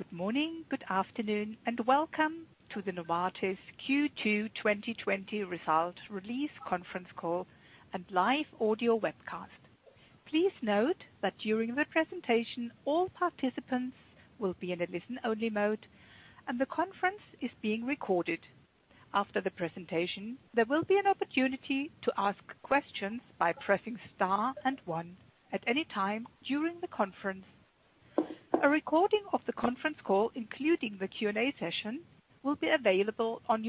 Good morning, good afternoon, welcome to the Novartis Q2 2020 Result Release Conference Call and live audio webcast. Please note that during the presentation, all participants will be in a listen-only mode, and the conference is being recorded. After the presentation, there will be an opportunity to ask questions by pressing star and one at any time during the conference. A recording of the conference call, including the Q&A session, will be available on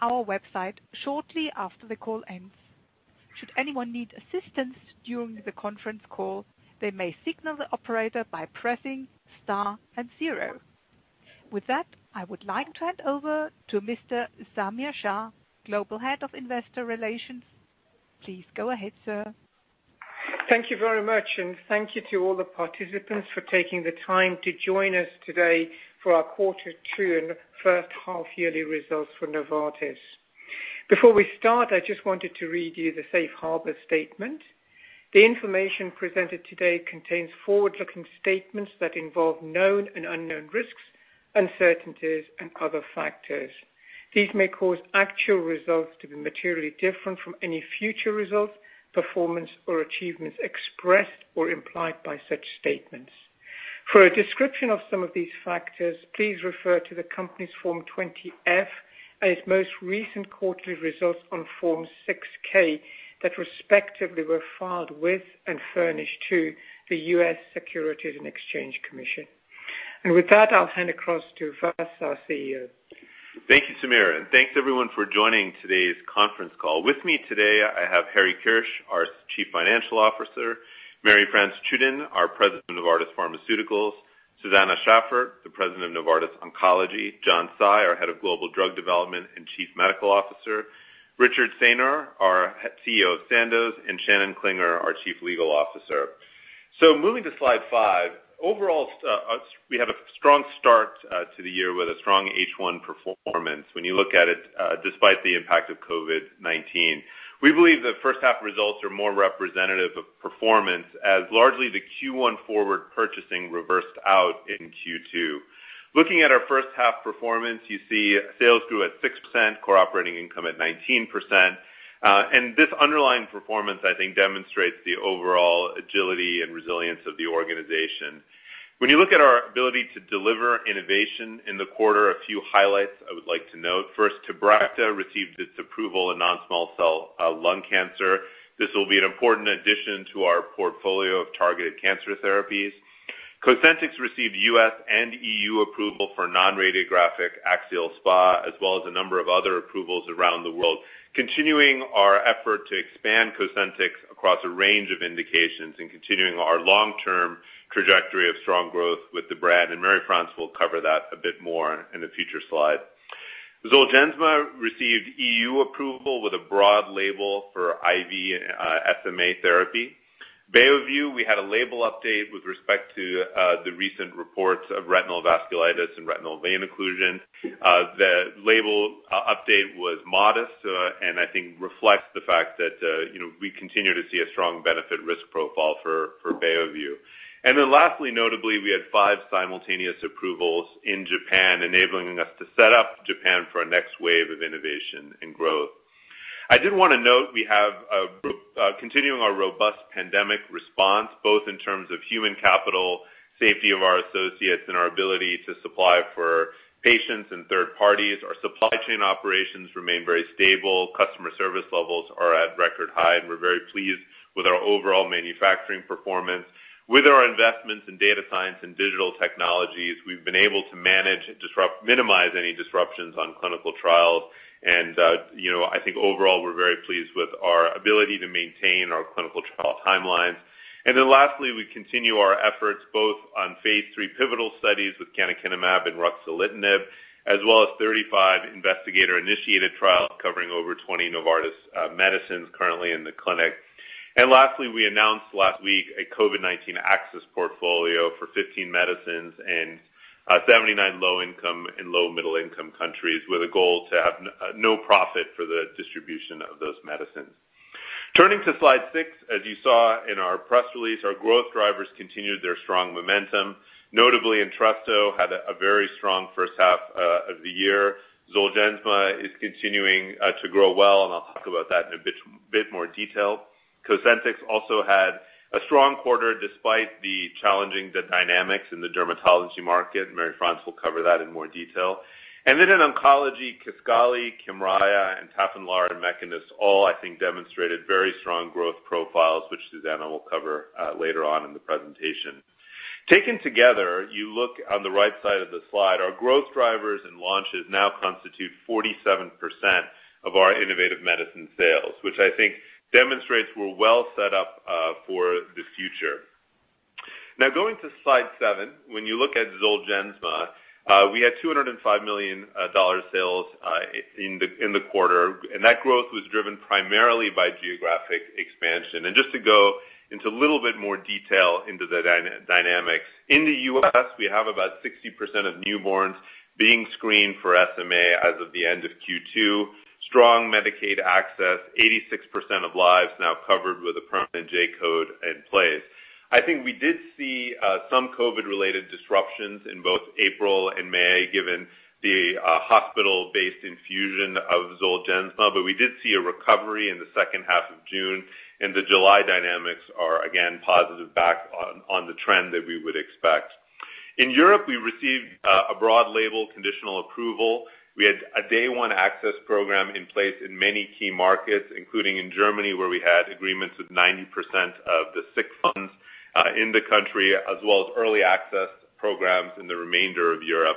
our website shortly after the call ends. Should anyone need assistance during the conference call, they may signal the operator by pressing star and zero. With that, I would like to hand over to Mr. Samir Shah, Global Head of Investor Relations. Please go ahead, sir. Thank you very much, and thank you to all the participants for taking the time to join us today for our quarter 2 and first half yearly results for Novartis. Before we start, I just wanted to read you the safe harbor statement. The information presented today contains forward-looking statements that involve known and unknown risks, uncertainties, and other factors. These may cause actual results to be materially different from any future results, performance, or achievements expressed or implied by such statements. For a description of some of these factors, please refer to the company's Form 20-F and its most recent quarterly results on Form 6-K that respectively were filed with and furnished to the U.S. Securities and Exchange Commission. With that, I'll hand across to Vas, our CEO. Thank you, Samir. Thanks, everyone, for joining today's conference call. With me today, I have Harry Kirsch, our Chief Financial Officer; Marie-France Tschudin, our President of Novartis Pharmaceuticals; Susanne Schaffert, the President of Novartis Oncology; John Tsai, our Head of Global Drug Development and Chief Medical Officer; Richard Saynor, our CEO of Sandoz; and Shannon Klinger, our Chief Legal Officer. Moving to slide five. Overall, we had a strong start to the year with a strong H1 performance when you look at it despite the impact of COVID-19. We believe the first half results are more representative of performance as largely the Q1 forward purchasing reversed out in Q2. Looking at our first half performance, you see sales grew at 6%, core operating income at 19%. This underlying performance, I think, demonstrates the overall agility and resilience of the organization. When you look at our ability to deliver innovation in the quarter, a few highlights I would like to note. First, Tabrecta received its approval in non-small cell lung cancer. This will be an important addition to our portfolio of targeted cancer therapies. Cosentyx received U.S. and EU approval for non-radiographic axial SpA, as well as a number of other approvals around the world. Continuing our effort to expand Cosentyx across a range of indications and continuing our long-term trajectory of strong growth with the brand. Marie-France will cover that a bit more in a future slide. Zolgensma received EU approval with a broad label for IV SMA therapy. Beovu, we had a label update with respect to the recent reports of retinal vasculitis and retinal vein occlusion. The label update was modest. I think reflects the fact that we continue to see a strong benefit-risk profile for Beovu. Lastly, notably, we had five simultaneous approvals in Japan, enabling us to set up Japan for a next wave of innovation and growth. I did want to note we have continuing our robust pandemic response, both in terms of human capital, safety of our associates, and our ability to supply for patients and third parties. Our supply chain operations remain very stable. Customer service levels are at record high. We're very pleased with our overall manufacturing performance. With our investments in data science and digital technologies, we've been able to manage, minimize any disruptions on clinical trials. I think overall, we're very pleased with our ability to maintain our clinical trial timelines. Lastly, we continue our efforts both on phase III pivotal studies with canakinumab and ruxolitinib, as well as 35 investigator-initiated trials covering over 20 Novartis medicines currently in the clinic. Lastly, we announced last week a COVID-19 access portfolio for 15 medicines in 79 low-income and low-middle-income countries with a goal to have no profit for the distribution of those medicines. Turning to slide six, as you saw in our press release, our growth drivers continued their strong momentum. Notably, Entresto had a very strong first half of the year. Zolgensma is continuing to grow well, I'll talk about that in a bit more detail. Cosentyx also had a strong quarter despite the challenging dynamics in the dermatology market. Marie-France will cover that in more detail. In oncology, Kisqali, Kymriah, and Tafinlar and Mekinist all, I think, demonstrated very strong growth profiles, which Susanne will cover later on in the presentation. Taken together, you look on the right side of the slide, our growth drivers and launches now constitute 47% of our innovative medicine sales, which I think demonstrates we're well set up for the future. Going to slide seven. When you look at Zolgensma, we had $205 million sales in the quarter, and that growth was driven primarily by geographic expansion. Just to go into a little bit more detail into the dynamics. In the U.S., we have about 60% of newborns being screened for SMA as of the end of Q2. Strong Medicaid access, 86% of lives now covered with a permanent J-code in place. I think we did see some COVID-related disruptions in both April and May, given the hospital-based infusion of Zolgensma. We did see a recovery in the second half of June, and the July dynamics are again positive back on the trend that we would expect. In Europe, we received a broad label conditional approval. We had a day-one access program in place in many key markets, including in Germany, where we had agreements with 90% of the sick funds in the country, as well as early access programs in the remainder of Europe.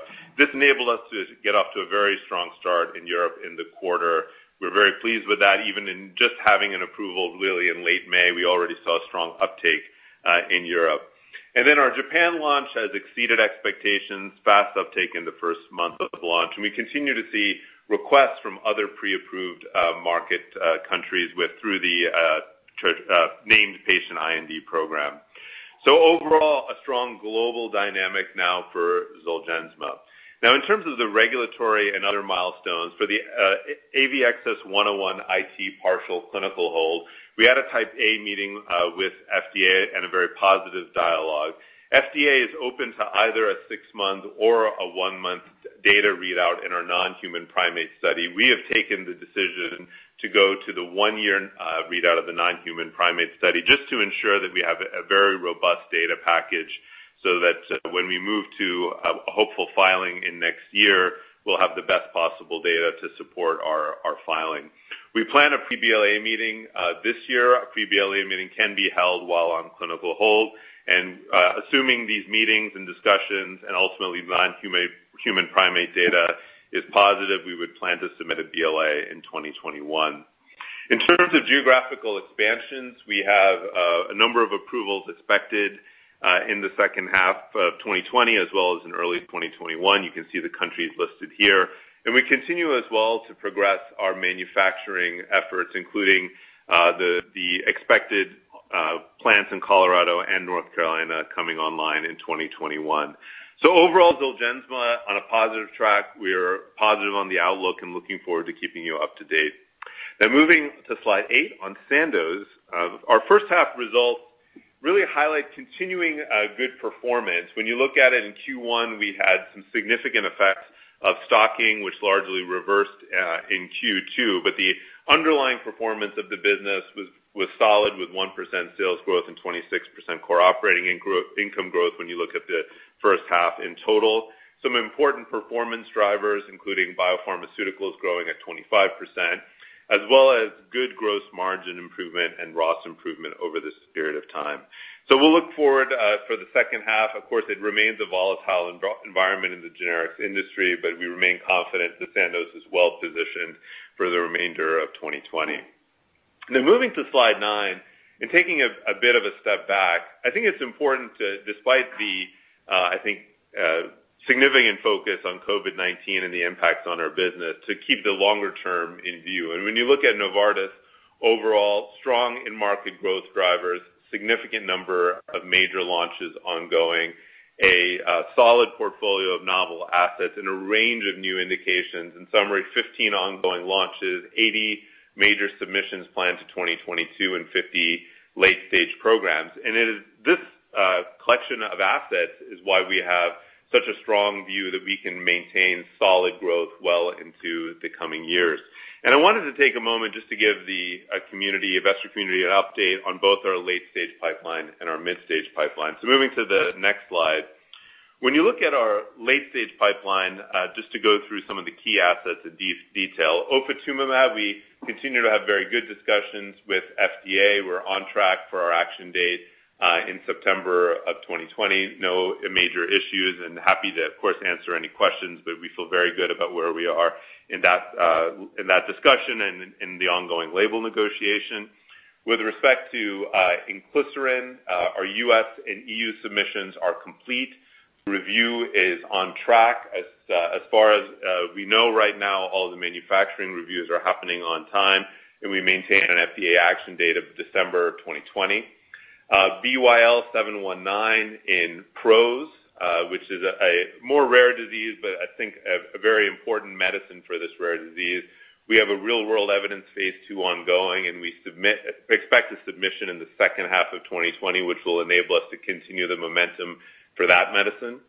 We're very pleased with that. Even in just having an approval, really in late May, we already saw strong uptake in Europe. Our Japan launch has exceeded expectations. Fast uptake in the first month of launch. We continue to see requests from other pre-approved market countries through the named patient IND program. Overall, a strong global dynamic now for Zolgensma. In terms of the regulatory and other milestones for the AVXS-101 IT partial clinical hold, we had a type A meeting with FDA and a very positive dialogue. FDA is open to either a 6-month or a 1-month data readout in our non-human primate study. We have taken the decision to go to the 1-year readout of the non-human primate study just to ensure that we have a very robust data package, so that when we move to a hopeful filing in next year, we'll have the best possible data to support our filing. We plan a pre-BLA meeting this year. A pre-BLA meeting can be held while on clinical hold. Assuming these meetings and discussions and ultimately non-human primate data is positive, we would plan to submit a BLA in 2021. In terms of geographical expansions, we have a number of approvals expected in the second half of 2020 as well as in early 2021. You can see the countries listed here. We continue as well to progress our manufacturing efforts, including the expected plants in Colorado and North Carolina coming online in 2021. Overall, Zolgensma on a positive track. We are positive on the outlook and looking forward to keeping you up to date. Moving to slide eight on Sandoz. Our first half results really highlight continuing good performance. You look at it in Q1, we had some significant effects of stocking, which largely reversed in Q2. The underlying performance of the business was solid, with 1% sales growth and 26% core operating income growth, when you look at the first half in total. Some important performance drivers including biopharmaceuticals growing at 25%, as well as good gross margin improvement and ROS improvement over this period of time. We'll look forward for the second half. It remains a volatile environment in the generics industry, but we remain confident that Sandoz is well-positioned for the remainder of 2020. Moving to slide nine and taking a bit of a step back, I think it's important to, despite the significant focus on COVID-19 and the impacts on our business, to keep the longer term in view. When you look at Novartis overall, strong in market growth drivers, significant number of major launches ongoing, a solid portfolio of novel assets and a range of new indications. In summary, 15 ongoing launches, 80 major submissions planned to 2022 and 50 late-stage programs. It is this collection of assets is why we have such a strong view that we can maintain solid growth well into the coming years. I wanted to take a moment just to give the investor community an update on both our late-stage pipeline and our mid-stage pipeline. Moving to the next slide. When you look at our late-stage pipeline, just to go through some of the key assets in detail. Ofatumumab, we continue to have very good discussions with FDA. We're on track for our action date in September of 2020. No major issues, happy to, of course, answer any questions, but we feel very good about where we are in that discussion and in the ongoing label negotiation. With respect to inclisiran, our U.S. and E.U. submissions are complete. Review is on track. As far as we know right now, all the manufacturing reviews are happening on time and we maintain an FDA action date of December 2020. BYL719 in PROS, which is a more rare disease, but I think a very important medicine for this rare disease. We have a real-world evidence phase II ongoing, and we expect a submission in the second half of 2020, which will enable us to continue the momentum for that medicine.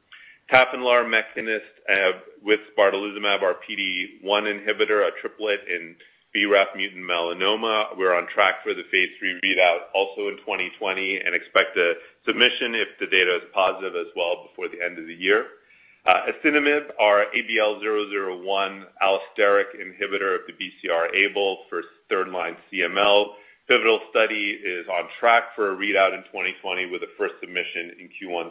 Tafinlar Mekinist with spartalizumab, our PD-1 inhibitor, a triplet in BRAF mutant melanoma. We are on track for the phase III readout also in 2020 and expect a submission if the data is positive as well before the end of the year. asciminib, our ABL001 allosteric inhibitor of the BCR-ABL for third-line CML. Pivotal study is on track for a readout in 2020 with the first submission in Q1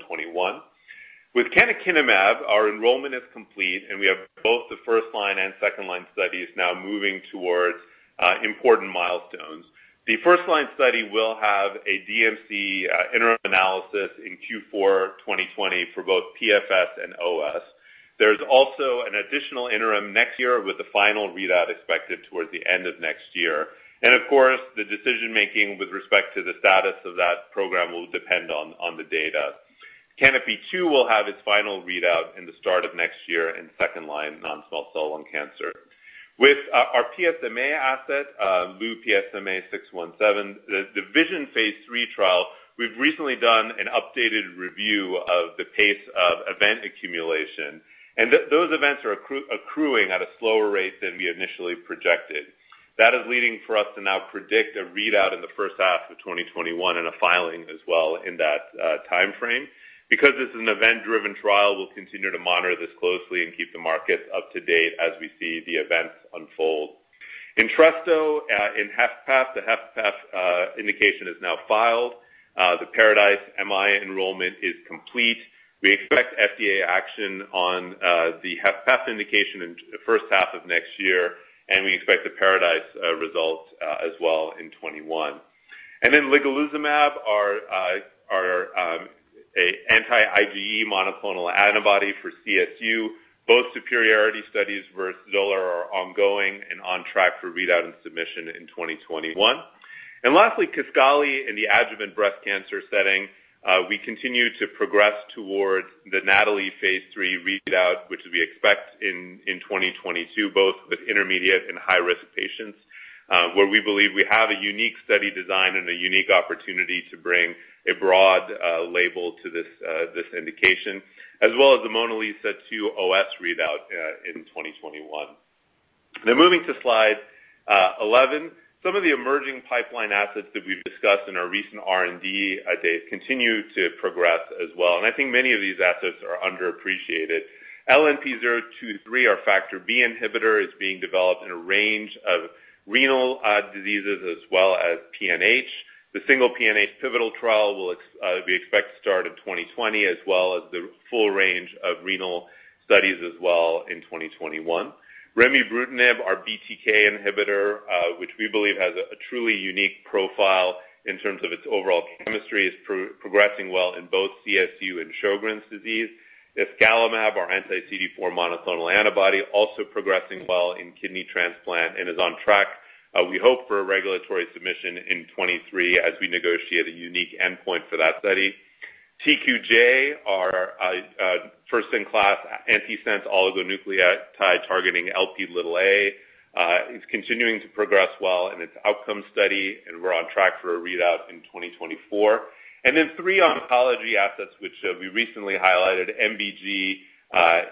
2021. canakinumab, our enrollment is complete and we have both the first-line and second-line studies now moving towards important milestones. The first-line study will have a DMC interim analysis in Q4 2020 for both PFS and OS. There is also an additional interim next year with the final readout expected towards the end of next year. Of course, the decision-making with respect to the status of that program will depend on the data. CANOPY-2 will have its final readout in the start of next year in second-line non-small cell lung cancer. With our PSMA asset, Lu-PSMA-617, the VISION phase III trial, we've recently done an updated review of the pace of event accumulation. Those events are accruing at a slower rate than we initially projected. That is leading for us to now predict a readout in the first half of 2021. A filing as well in that timeframe. Because it's an event-driven trial, we'll continue to monitor this closely and keep the market up to date as we see the events unfold. Entresto in HFpEF, the HFpEF indication is now filed. The PARADISE-MI enrollment is complete. We expect FDA action on the HFpEF indication in the first half of next year. We expect the PARADISE results as well in 2021. Ligelizumab, our anti-IgE monoclonal antibody for CSU, both superiority studies versus Xolair are ongoing and on track for readout and submission in 2021. Lastly, Kisqali in the adjuvant breast cancer setting, we continue to progress towards the NATALEE phase III readout, which we expect in 2022, both with intermediate and high-risk patients, where we believe we have a unique study design and a unique opportunity to bring a broad label to this indication as well as the MONALEESA-2 OS readout in 2021. Moving to slide 11. Some of the emerging pipeline assets that we've discussed in our recent R&D date continue to progress as well. I think many of these assets are underappreciated. LNP023, our factor B inhibitor, is being developed in a range of renal diseases as well as PNH. The single PNH pivotal trial we expect to start in 2020 as well as the full range of renal studies as well in 2021. Remibrutinib, our BTK inhibitor, which we believe has a truly unique profile in terms of its overall chemistry, is progressing well in both CSU and Sjögren's disease. Efgalamab, our anti-CD40 monoclonal antibody, also progressing well in kidney transplant and is on track. We hope for a regulatory submission in 2023 as we negotiate a unique endpoint for that study. TQJ, our first-in-class antisense oligonucleotide targeting Lp(a), is continuing to progress well in its outcome study, and we're on track for a readout in 2024. Three oncology assets, which we recently highlighted, MBG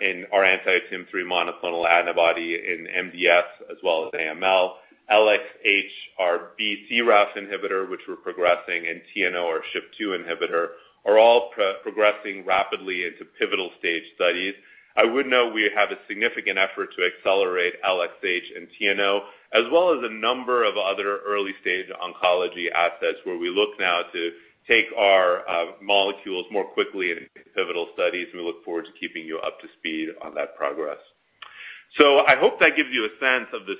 and our anti-TIM-3 monoclonal antibody in MDS as well as AML. LXH, our B-Raf inhibitor, which we're progressing in TNO our SHP2 inhibitor, are all progressing rapidly into pivotal stage studies. I would note we have a significant effort to accelerate LXH and TNO, as well as a number of other early-stage oncology assets where we look now to take our molecules more quickly in pivotal studies. We look forward to keeping you up to speed on that progress. I hope that gives you a sense of the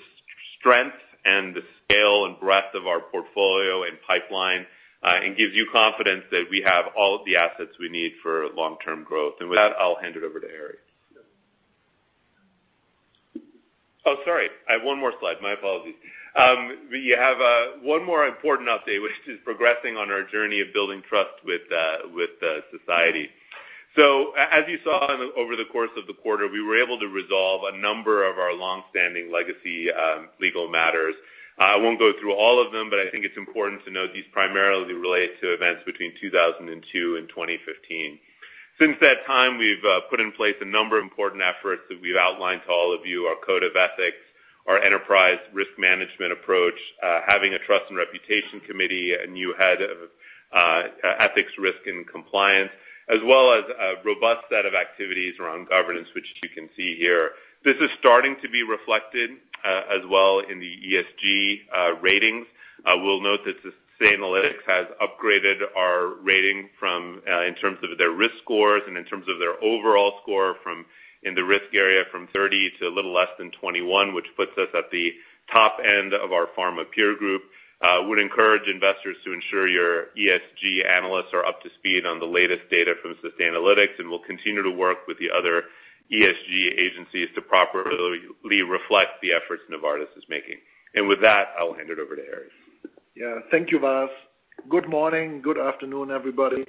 strength and the scale and breadth of our portfolio and pipeline and gives you confidence that we have all the assets we need for long-term growth. With that, I'll hand it over to Harry. Oh, sorry. I have one more slide. My apologies. We have one more important update, which is progressing on our journey of building trust with the society. As you saw over the course of the quarter, we were able to resolve a number of our longstanding legacy legal matters. I won't go through all of them, but I think it's important to note these primarily relate to events between 2002 and 2015. Since that time, we've put in place a number of important efforts that we've outlined to all of you, our code of ethics, our enterprise risk management approach, having a trust and reputation committee, a new head of ethics, risk, and compliance, as well as a robust set of activities around governance, which you can see here. This is starting to be reflected as well in the ESG ratings. We'll note that Sustainalytics has upgraded our rating in terms of their risk scores and in terms of their overall score in the risk area from 30 to a little less than 21, which puts us at the top end of our pharma peer group. would encourage investors to ensure your ESG analysts are up to speed on the latest data from Sustainalytics. We'll continue to work with the other ESG agencies to properly reflect the efforts Novartis is making. With that, I will hand it over to Harry. Thank you, Vas. Good morning. Good afternoon, everybody.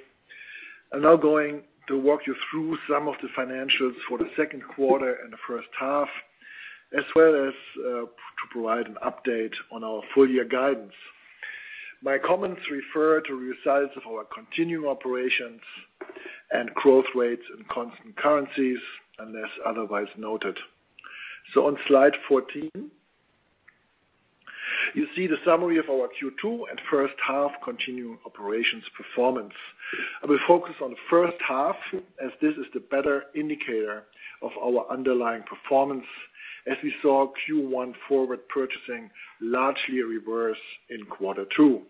I'm now going to walk you through some of the financials for the second quarter and the first half, as well as to provide an update on our full-year guidance. My comments refer to results of our continuing operations and growth rates in constant currencies unless otherwise noted. On slide 14, you see the summary of our Q2 and first half continuing operations performance. I will focus on the first half as this is the better indicator of our underlying performance as we saw Q1 forward purchasing largely reverse in quarter two.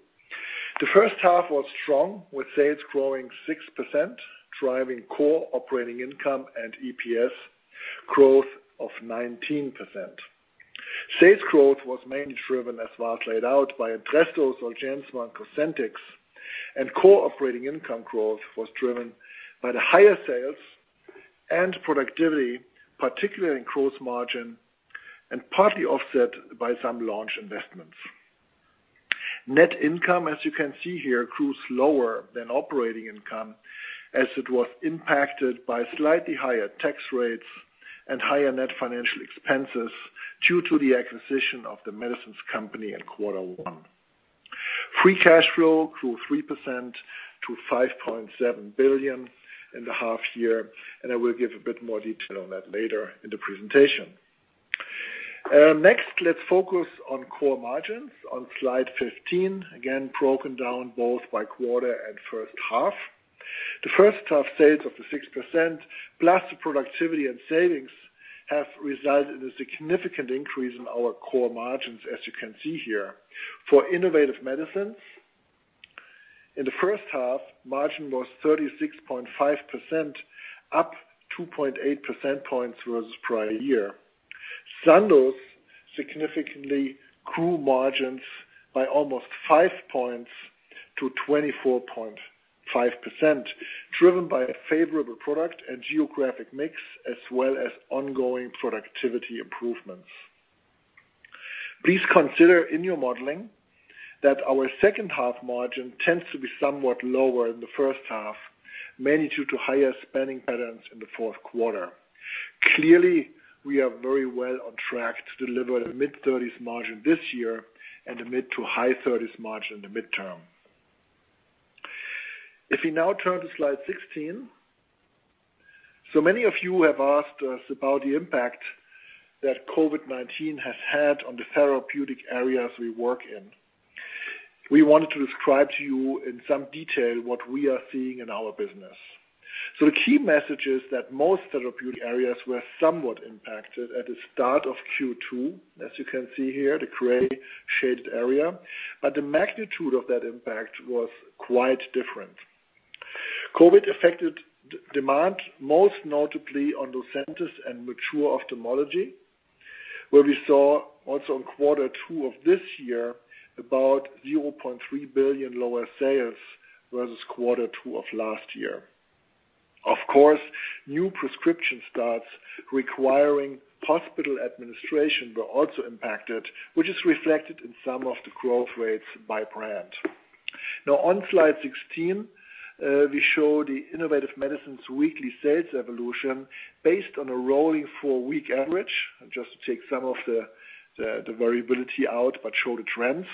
The first half was strong, with sales growing 6%, driving core operating income and EPS growth of 19%. Sales growth was mainly driven as Vas laid out by Entresto, COSENTYX, and COSENTYX. Core operating income growth was driven by the higher sales and productivity, particularly in gross margin and partly offset by some large investments. Net income, as you can see here, grew slower than operating income as it was impacted by slightly higher tax rates and higher net financial expenses due to the acquisition of The Medicines Company in quarter one. Free cash flow grew 3% to 5.7 billion in the half year, and I will give a bit more detail on that later in the presentation. Next, let's focus on core margins on slide 15, again, broken down both by quarter and first half. The first half sales of the 6% plus the productivity and savings have resulted in a significant increase in our core margins as you can see here. For innovative medicines, in the first half, margin was 36.5%, up 2.8% points versus prior year. Sandoz significantly grew margins by almost five points to 24.5%, driven by a favorable product and geographic mix as well as ongoing productivity improvements. Please consider in your modeling that our second half margin tends to be somewhat lower in the first half, mainly due to higher spending patterns in the fourth quarter. Clearly, we are very well on track to deliver the mid-30s margin this year and the mid to high 30s margin in the midterm. If we now turn to slide 16. Many of you have asked us about the impact that COVID-19 has had on the therapeutic areas we work in. We wanted to describe to you in some detail what we are seeing in our business. The key message is that most therapeutic areas were somewhat impacted at the start of Q2. As you can see here, the gray shaded area, but the magnitude of that impact was quite different. COVID affected demand, most notably on Lucentis and mature ophthalmology, where we saw also in quarter two of this year about $0.3 billion lower sales versus quarter two of last year. Of course, new prescription starts requiring hospital administration were also impacted, which is reflected in some of the growth rates by brand. On slide 16, we show the innovative medicines weekly sales evolution based on a rolling four-week average. Just take some of the variability out, but show the trends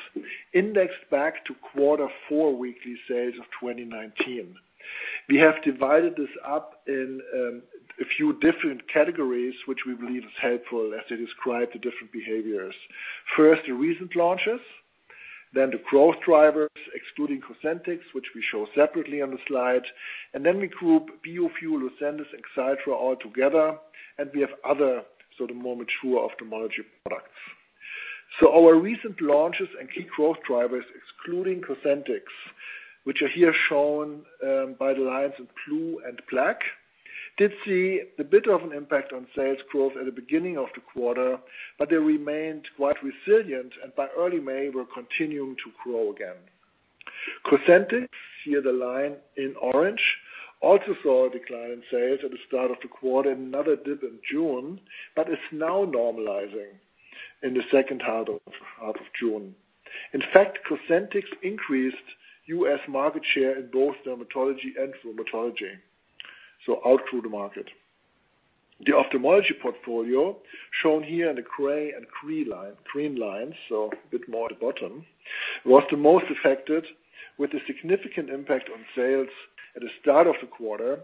indexed back to quarter four weekly sales of 2019. We have divided this up in a few different categories, which we believe is helpful as they describe the different behaviors. First, the recent launches, the growth drivers excluding Cosentyx, which we show separately on the slide. We group Beovu, Lucentis, and Zolgensma all together, and we have other sort of more mature ophthalmology products. Our recent launches and key growth drivers, excluding Cosentyx, which are here shown by the lines in blue and black, did see a bit of an impact on sales growth at the beginning of the quarter, but they remained quite resilient and by early May were continuing to grow again. Cosentyx, here the line in orange, also saw a decline in sales at the start of the quarter, another dip in June, but it's now normalizing in the second half of June. In fact, Cosentyx increased U.S. market share in both dermatology and rheumatology, so outgrew the market. The ophthalmology portfolio, shown here in the gray and cream lines, so a bit more at the bottom, was the most affected with a significant impact on sales at the start of the quarter.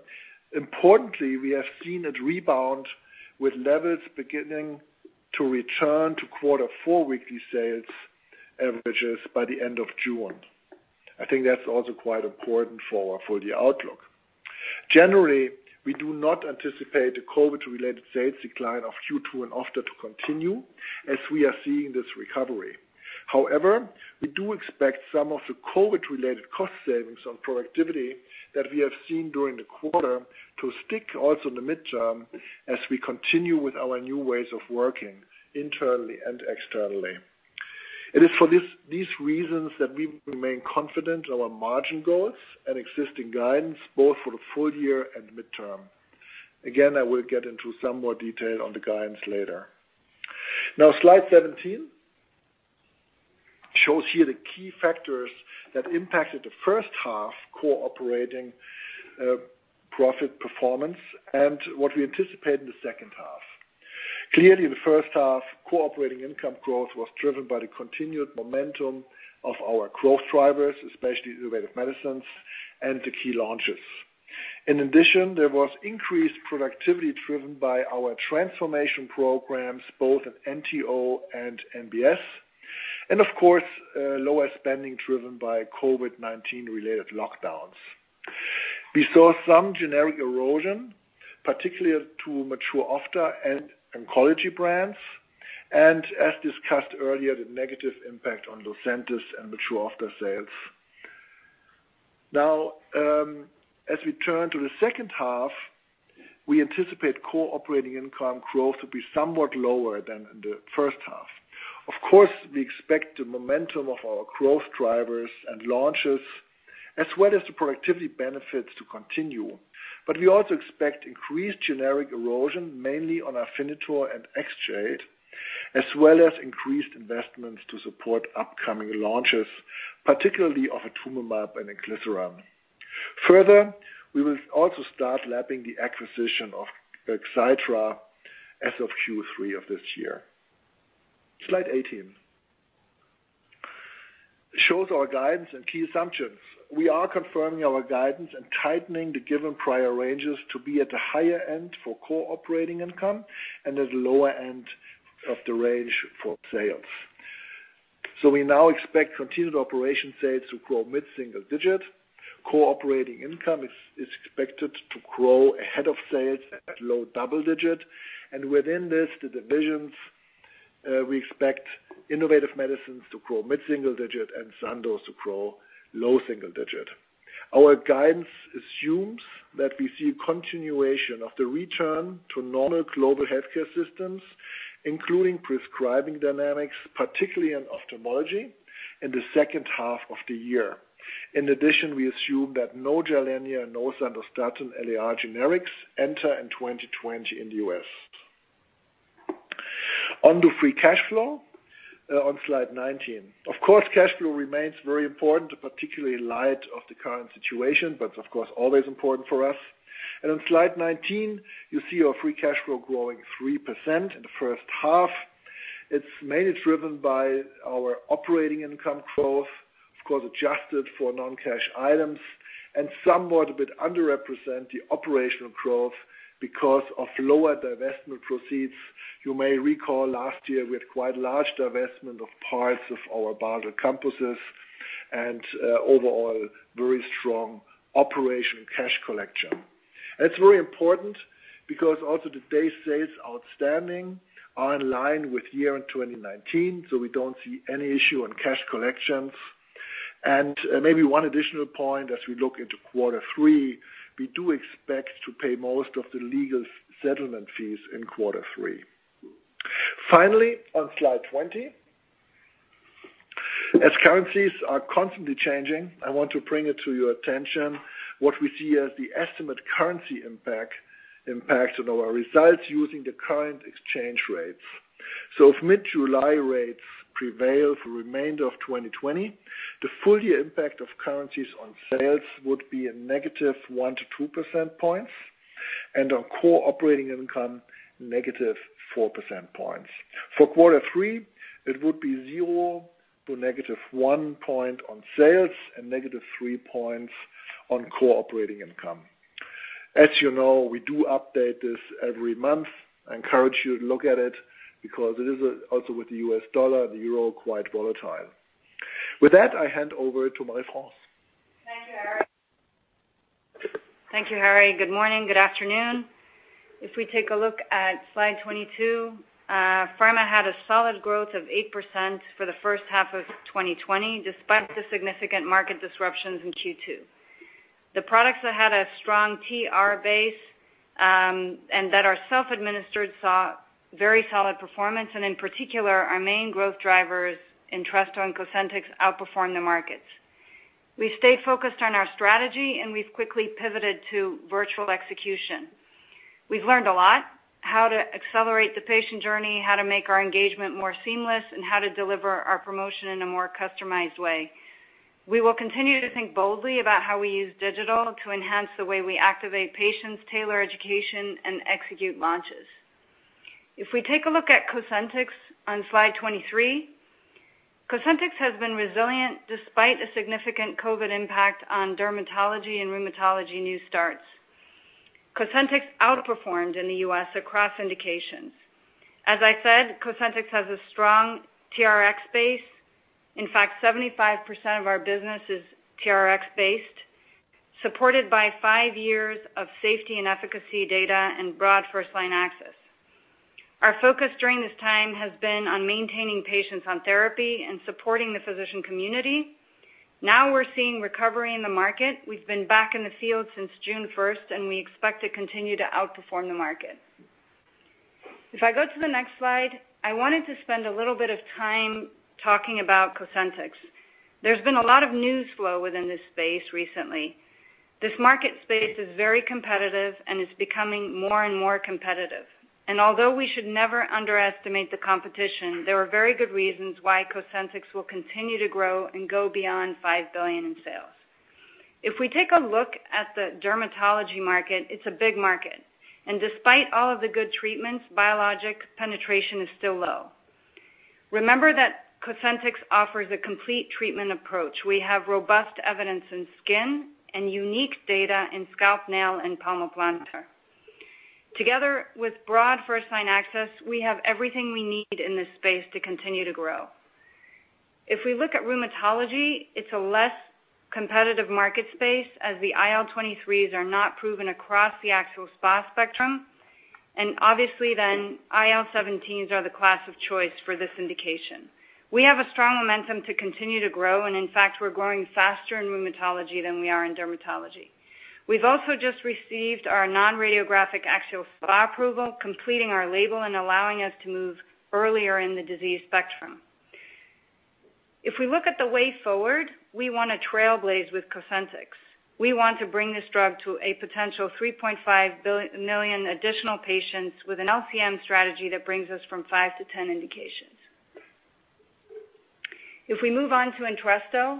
Importantly, we have seen it rebound with levels beginning to return to quarter four weekly sales averages by the end of June. I think that's also quite important for the outlook. Generally, we do not anticipate the COVID-related sales decline of Q2 and after to continue as we are seeing this recovery. However, we do expect some of the COVID-related cost savings on productivity that we have seen during the quarter to stick also in the midterm as we continue with our new ways of working internally and externally. It is for these reasons that we remain confident in our margin goals and existing guidance both for the full year and midterm. I will get into some more detail on the guidance later. Slide 17 shows here the key factors that impacted the first half core operating profit performance and what we anticipate in the second half. In the first half, core operating income growth was driven by the continued momentum of our growth drivers, especially Innovative Medicines and the key launches. There was increased productivity driven by our transformation programs both at NTO and NBS, and of course, lower spending driven by COVID-19 related lockdowns. We saw some generic erosion, particularly to mature Optha and oncology brands, and as discussed earlier, the negative impact on Lucentis and mature Optha sales. As we turn to the second half, we anticipate core operating income growth to be somewhat lower than in the first half. Of course, we expect the momentum of our growth drivers and launches as well as the productivity benefits to continue. We also expect increased generic erosion, mainly on Afinitor and Xgeva, as well as increased investments to support upcoming launches, particularly of atezolizumab and eculizumab. We will also start lapping the acquisition of Xiidra as of Q3 of this year. Slide 18 shows our guidance and key assumptions. We are confirming our guidance and tightening the given prior ranges to be at the higher end for core operating income and at the lower end of the range for sales. We now expect continued operation sales to grow mid-single digit. Core operating income is expected to grow ahead of sales at low double digit. Within this, the divisions, we expect Innovative Medicines to grow mid-single digit and Sandoz to grow low single digit. Our guidance assumes that we see continuation of the return to normal global healthcare systems, including prescribing dynamics, particularly in ophthalmology in the second half of the year. In addition, we assume that no Gilenya and no Sandostatin LAR generics enter in 2020 in the U.S. On to free cash flow on slide 19. Of course, cash flow remains very important, particularly in light of the current situation, but of course always important for us. On slide 19, you see our free cash flow growing 3% in the first half. It's mainly driven by our operating income growth, of course, adjusted for non-cash items and somewhat a bit underrepresent the operational growth because of lower divestment proceeds. You may recall last year we had quite large divestment of parts of our Basel campuses and overall very strong operational cash collection. That's very important because also the day sales outstanding are in line with year-end 2019, so we don't see any issue on cash collections. Maybe 1 additional point as we look into quarter 3, we do expect to pay most of the legal settlement fees in quarter 3. Finally, on slide 20. As currencies are constantly changing, I want to bring it to your attention what we see as the estimate currency impact on our results using the current exchange rates. If mid-July rates prevail for remainder of 2020, the full year impact of currencies on sales would be a negative 1 percent point-2 percent points and on core operating income, negative 4 percent points. For quarter 3, it would be 0 to negative 1 point on sales and negative 3 points on core operating income. As you know, we do update this every month. I encourage you to look at it because it is also with the US dollar and the euro quite volatile. With that, I hand over to Marie-France. Thank you, Harry. Good morning, good afternoon. If we take a look at slide 22, pharma had a solid growth of 8% for the first half of 2020, despite the significant market disruptions in Q2. The products that had a strong TR base, and that are self-administered, saw very solid performance and in particular, our main growth drivers Entresto and Cosentyx outperformed the markets. We stayed focused on our strategy and we've quickly pivoted to virtual execution. We've learned a lot, how to accelerate the patient journey, how to make our engagement more seamless, and how to deliver our promotion in a more customized way. We will continue to think boldly about how we use digital to enhance the way we activate patients, tailor education, and execute launches. If we take a look at Cosentyx on slide 23, Cosentyx has been resilient despite a significant COVID impact on dermatology and rheumatology new starts. Cosentyx outperformed in the U.S. across indications. As I said, Cosentyx has a strong TRX base. In fact, 75% of our business is TRX-based, supported by five years of safety and efficacy data and broad first line access. Our focus during this time has been on maintaining patients on therapy and supporting the physician community. Now we're seeing recovery in the market. We've been back in the field since June 1st. We expect to continue to outperform the market. If I go to the next slide, I wanted to spend a little bit of time talking about Cosentyx. There's been a lot of news flow within this space recently. This market space is very competitive and is becoming more and more competitive. Although we should never underestimate the competition, there are very good reasons why Cosentyx will continue to grow and go beyond $5 billion in sales. If we take a look at the dermatology market, it's a big market. Despite all of the good treatments, biologic penetration is still low. Remember that Cosentyx offers a complete treatment approach. We have robust evidence in skin and unique data in scalp, nail, and palmoplantar. Together with broad first line access, we have everything we need in this space to continue to grow. If we look at rheumatology, it's a less competitive market space as the IL-23s are not proven across the actual SpA spectrum. Obviously then IL-17s are the class of choice for this indication. We have a strong momentum to continue to grow. In fact, we're growing faster in rheumatology than we are in dermatology. We've also just received our non-radiographic axial SpA approval, completing our label and allowing us to move earlier in the disease spectrum. If we look at the way forward, we want to trailblaze with COSENTYX. We want to bring this drug to a potential 3.5 million additional patients with an LCM strategy that brings us from five to 10 indications. If we move on to Entresto.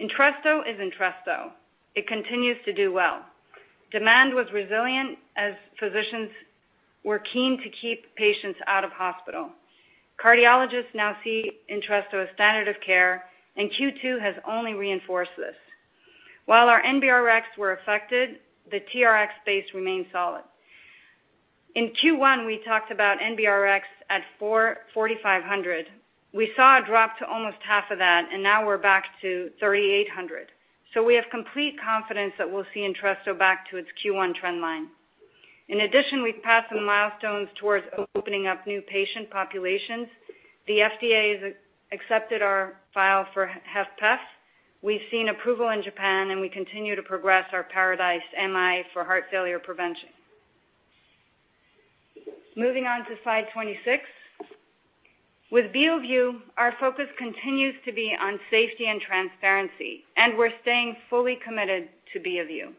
Entresto is Entresto. It continues to do well. Demand was resilient as physicians were keen to keep patients out of hospital. Cardiologists now see Entresto as standard of care. Q2 has only reinforced this. While our NBRx were affected, the TRx space remained solid. In Q1, we talked about NBRx at 4,500. We saw a drop to almost half of that. Now we're back to 3,800. We have complete confidence that we'll see Entresto back to its Q1 trend line. In addition, we've passed some milestones towards opening up new patient populations. The FDA has accepted our file for HFpEF. We've seen approval in Japan. We continue to progress our PARADISE-MI for heart failure prevention. Moving on to slide 26. With Beovu, our focus continues to be on safety and transparency. We're staying fully committed to Beovu.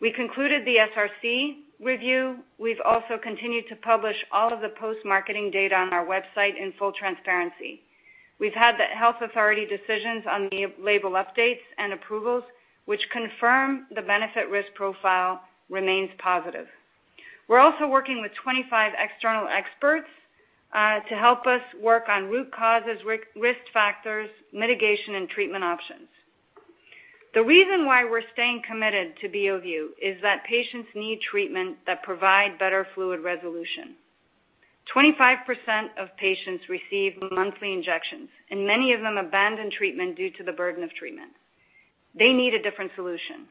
We concluded the SRC review. We've also continued to publish all of the post-marketing data on our website in full transparency. We've had the health authority decisions on label updates and approvals, which confirm the benefit/risk profile remains positive. We're also working with 25 external experts to help us work on root causes, risk factors, mitigation, and treatment options. The reason why we're staying committed to Beovu is that patients need treatment that provide better fluid resolution. 25% of patients receive monthly injections, and many of them abandon treatment due to the burden of treatment. They need a different solution.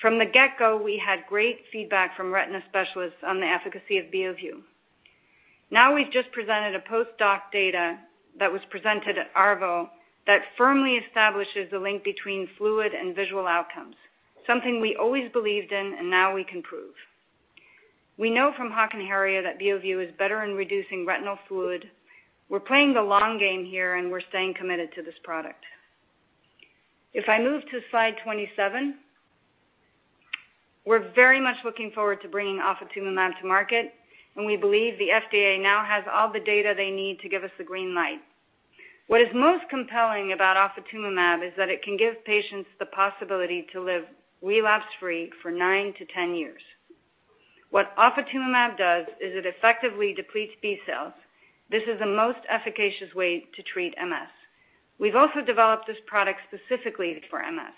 From the get-go, we had great feedback from retina specialists on the efficacy of Beovu. Now we've just presented a post-hoc data that was presented at ARVO that firmly establishes the link between fluid and visual outcomes, something we always believed in and now we can prove. We know from HAWK and HARRIER that Beovu is better in reducing retinal fluid. We're playing the long game here, and we're staying committed to this product. If I move to slide 27, we're very much looking forward to bringing ofatumumab to market, and we believe the FDA now has all the data they need to give us the green light. What is most compelling about ofatumumab is that it can give patients the possibility to live relapse-free for nine to 10 years. What ofatumumab does is it effectively depletes B cells. This is the most efficacious way to treat MS. We've also developed this product specifically for MS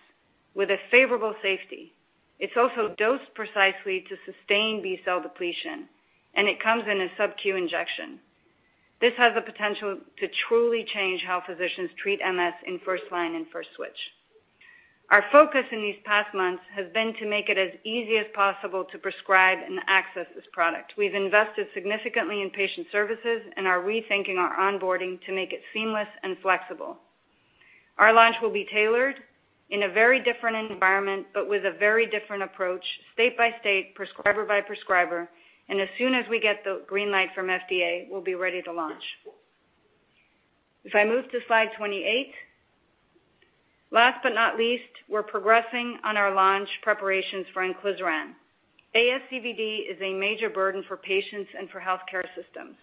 with a favorable safety. It's also dosed precisely to sustain B-cell depletion, and it comes in a subQ injection. This has the potential to truly change how physicians treat MS in first-line and first switch. Our focus in these past months has been to make it as easy as possible to prescribe and access this product. We've invested significantly in patient services and are rethinking our onboarding to make it seamless and flexible. Our launch will be tailored in a very different environment but with a very different approach, state by state, prescriber by prescriber, and as soon as we get the green light from FDA, we'll be ready to launch. If I move to slide 28. Last but not least, we're progressing on our launch preparations for inclisiran. ASCVD is a major burden for patients and for healthcare systems.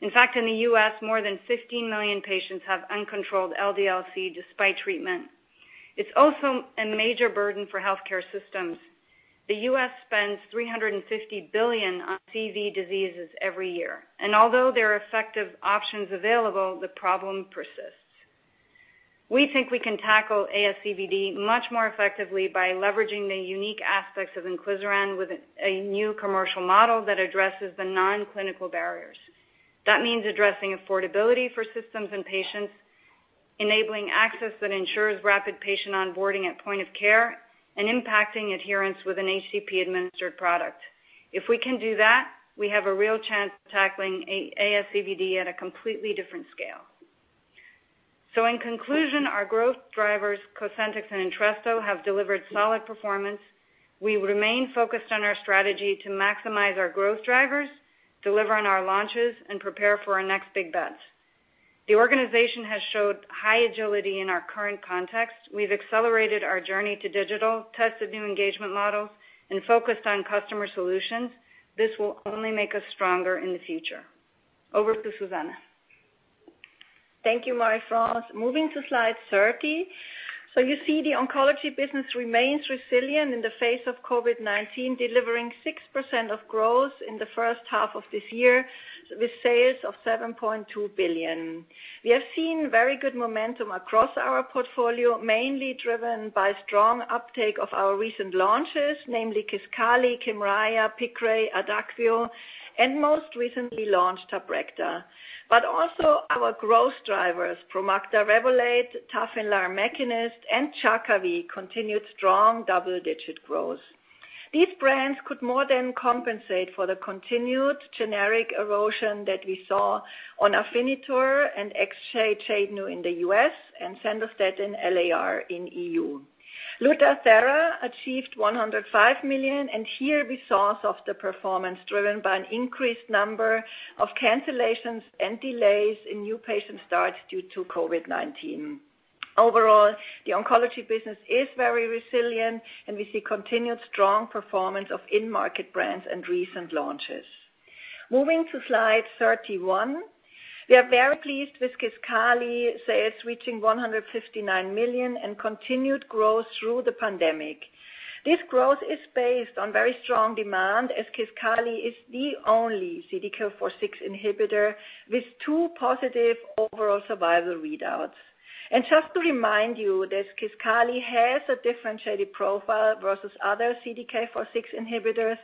In fact, in the U.S., more than 15 million patients have uncontrolled LDL-C despite treatment. It's also a major burden for healthcare systems. The U.S. spends $350 billion on CV diseases every year, and although there are effective options available, the problem persists. We think we can tackle ASCVD much more effectively by leveraging the unique aspects of inclisiran with a new commercial model that addresses the non-clinical barriers. That means addressing affordability for systems and patients, enabling access that ensures rapid patient onboarding at point of care, and impacting adherence with an HCP-administered product. If we can do that, we have a real chance of tackling ASCVD at a completely different scale. In conclusion, our growth drivers, COSENTYX and Entresto, have delivered solid performance. We remain focused on our strategy to maximize our growth drivers, deliver on our launches, and prepare for our next big bets. The organization has showed high agility in our current context. We've accelerated our journey to digital, tested new engagement models, and focused on customer solutions. This will only make us stronger in the future. Over to Susanne. Thank you, Marie-France. Moving to slide 30. You see the oncology business remains resilient in the face of COVID-19, delivering 6% of growth in the first half of this year with sales of $7.2 billion. We have seen very good momentum across our portfolio, mainly driven by strong uptake of our recent launches, namely Kisqali, Kymriah, Piqray, Adakveo, and most recently launched, Tabrecta. Also our growth drivers, Promacta, Revolade, Tafinlar, Mekinist, and Jakavi continued strong double-digit growth. These brands could more than compensate for the continued generic erosion that we saw on Afinitor and Zolgensma in the U.S. and Sandostatin LAR in E.U. Lutathera achieved $105 million. Here we saw softer performance driven by an increased number of cancellations and delays in new patient starts due to COVID-19. Overall, the oncology business is very resilient, and we see continued strong performance of in-market brands and recent launches. Moving to slide 31. We are very pleased with Kisqali sales reaching $159 million and continued growth through the pandemic. This growth is based on very strong demand as Kisqali is the only CDK4/6 inhibitor with two positive overall survival readouts. Just to remind you that Kisqali has a differentiated profile versus other CDK4/6 inhibitors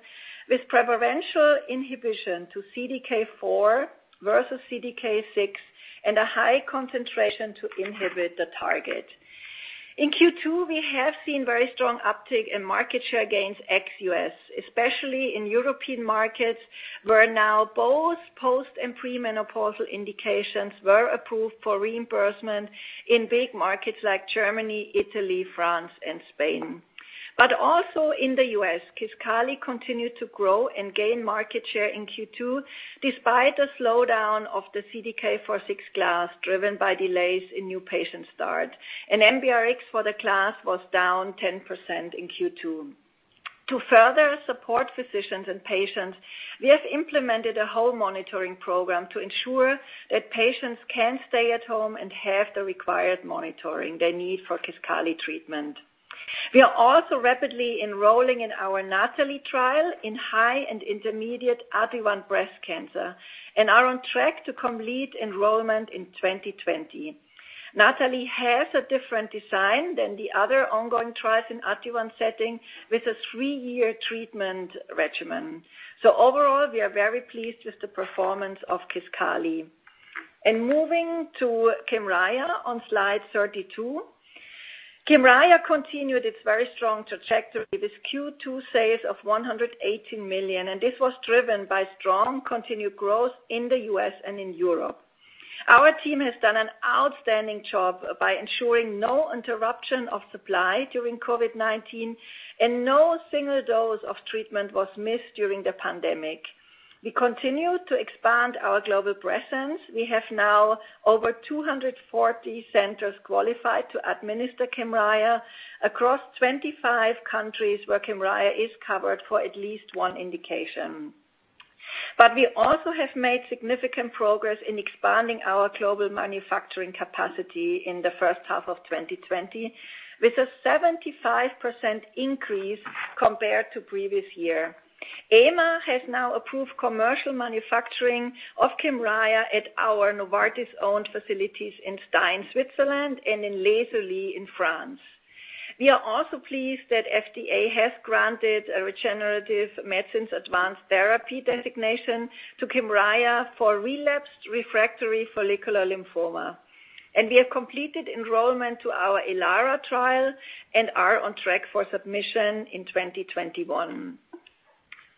with preferential inhibition to CDK4 versus CDK6 and a high concentration to inhibit the target. In Q2, we have seen very strong uptick in market share gains ex-U.S., especially in European markets where now both post and premenopausal indications were approved for reimbursement in big markets like Germany, Italy, France and Spain. Also in the U.S., Kisqali continued to grow and gain market share in Q2 despite a slowdown of the CDK4/6 class, driven by delays in new patient start, and NBRx for the class was down 10% in Q2. To further support physicians and patients, we have implemented a home monitoring program to ensure that patients can stay at home and have the required monitoring they need for Kisqali treatment. We are also rapidly enrolling in our NATALEE trial in high and intermediate HER2 breast cancer and are on track to complete enrollment in 2020. NATALEE has a different design than the other ongoing trials in HER2 setting with a three-year treatment regimen. Overall, we are very pleased with the performance of Kisqali. Moving to Kymriah on slide 32. Kymriah continued its very strong trajectory with Q2 sales of $118 million. This was driven by strong continued growth in the U.S. and in Europe. Our team has done an outstanding job by ensuring no interruption of supply during COVID-19 and no single dose of treatment was missed during the pandemic. We continued to expand our global presence. We have now over 240 centers qualified to administer Kymriah across 25 countries where Kymriah is covered for at least one indication. We also have made significant progress in expanding our global manufacturing capacity in the first half of 2020 with a 75% increase compared to previous year. EMA has now approved commercial manufacturing of Kymriah at our Novartis-owned facilities in Stein, Switzerland, and in Les Ulis in France. We are also pleased that FDA has granted a regenerative medicines advanced therapy designation to Kymriah for relapsed refractory follicular lymphoma. We have completed enrollment to our ELARA trial and are on track for submission in 2021.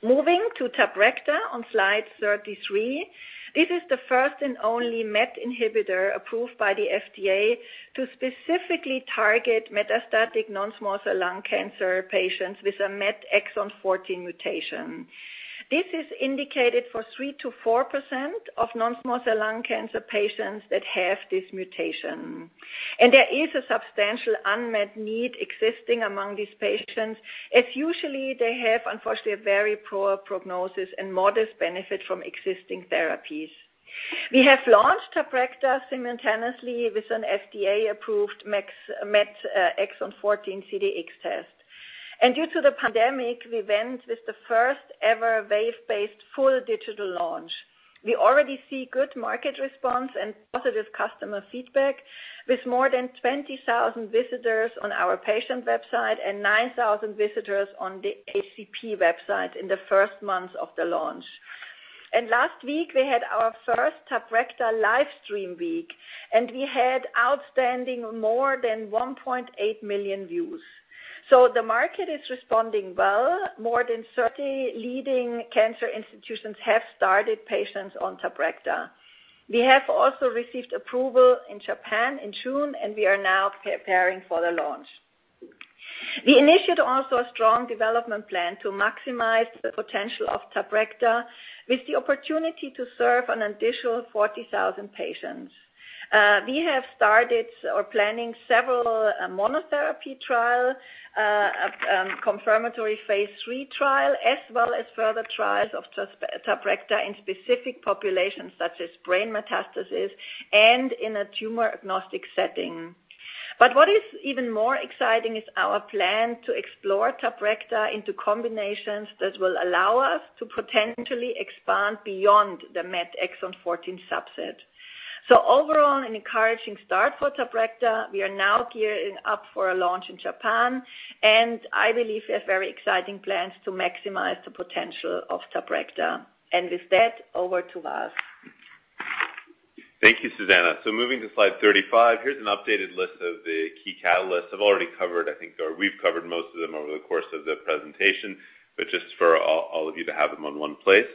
Moving to Tabrecta on slide 33. This is the first and only MET inhibitor approved by the FDA to specifically target metastatic non-small cell lung cancer patients with a MET exon 14 mutation. This is indicated for 3% to 4% of non-small cell lung cancer patients that have this mutation. There is a substantial unmet need existing among these patients, as usually they have, unfortunately, a very poor prognosis and modest benefit from existing therapies. We have launched Tabrecta simultaneously with an FDA-approved MET exon 14 CDx test. Due to the pandemic, we went with the first-ever wave-based full digital launch. We already see good market response and positive customer feedback with more than 20,000 visitors on our patient website and 9,000 visitors on the HCP website in the first months of the launch. Last week, we had our first Tabrecta live stream week, and we had outstanding more than 1.8 million views. The market is responding well. More than 30 leading cancer institutions have started patients on Tabrecta. We have also received approval in Japan in June, and we are now preparing for the launch. We initiated also a strong development plan to maximize the potential of Tabrecta with the opportunity to serve an additional 40,000 patients. We have started or planning several monotherapy trial, a confirmatory phase III trial, as well as further trials of Tabrecta in specific populations such as brain metastasis and in a tumor-agnostic setting. What is even more exciting is our plan to explore Tabrecta into combinations that will allow us to potentially expand beyond the MET exon 14 subset. Overall, an encouraging start for Tabrecta. We are now gearing up for a launch in Japan, and I believe we have very exciting plans to maximize the potential of Tabrecta. With that, over to Vas. Thank you, Susanne Schaffert. Moving to slide 35, here's an updated list of the key catalysts I've already covered. I think we've covered most of them over the course of the presentation, but just for all of you to have them in one place.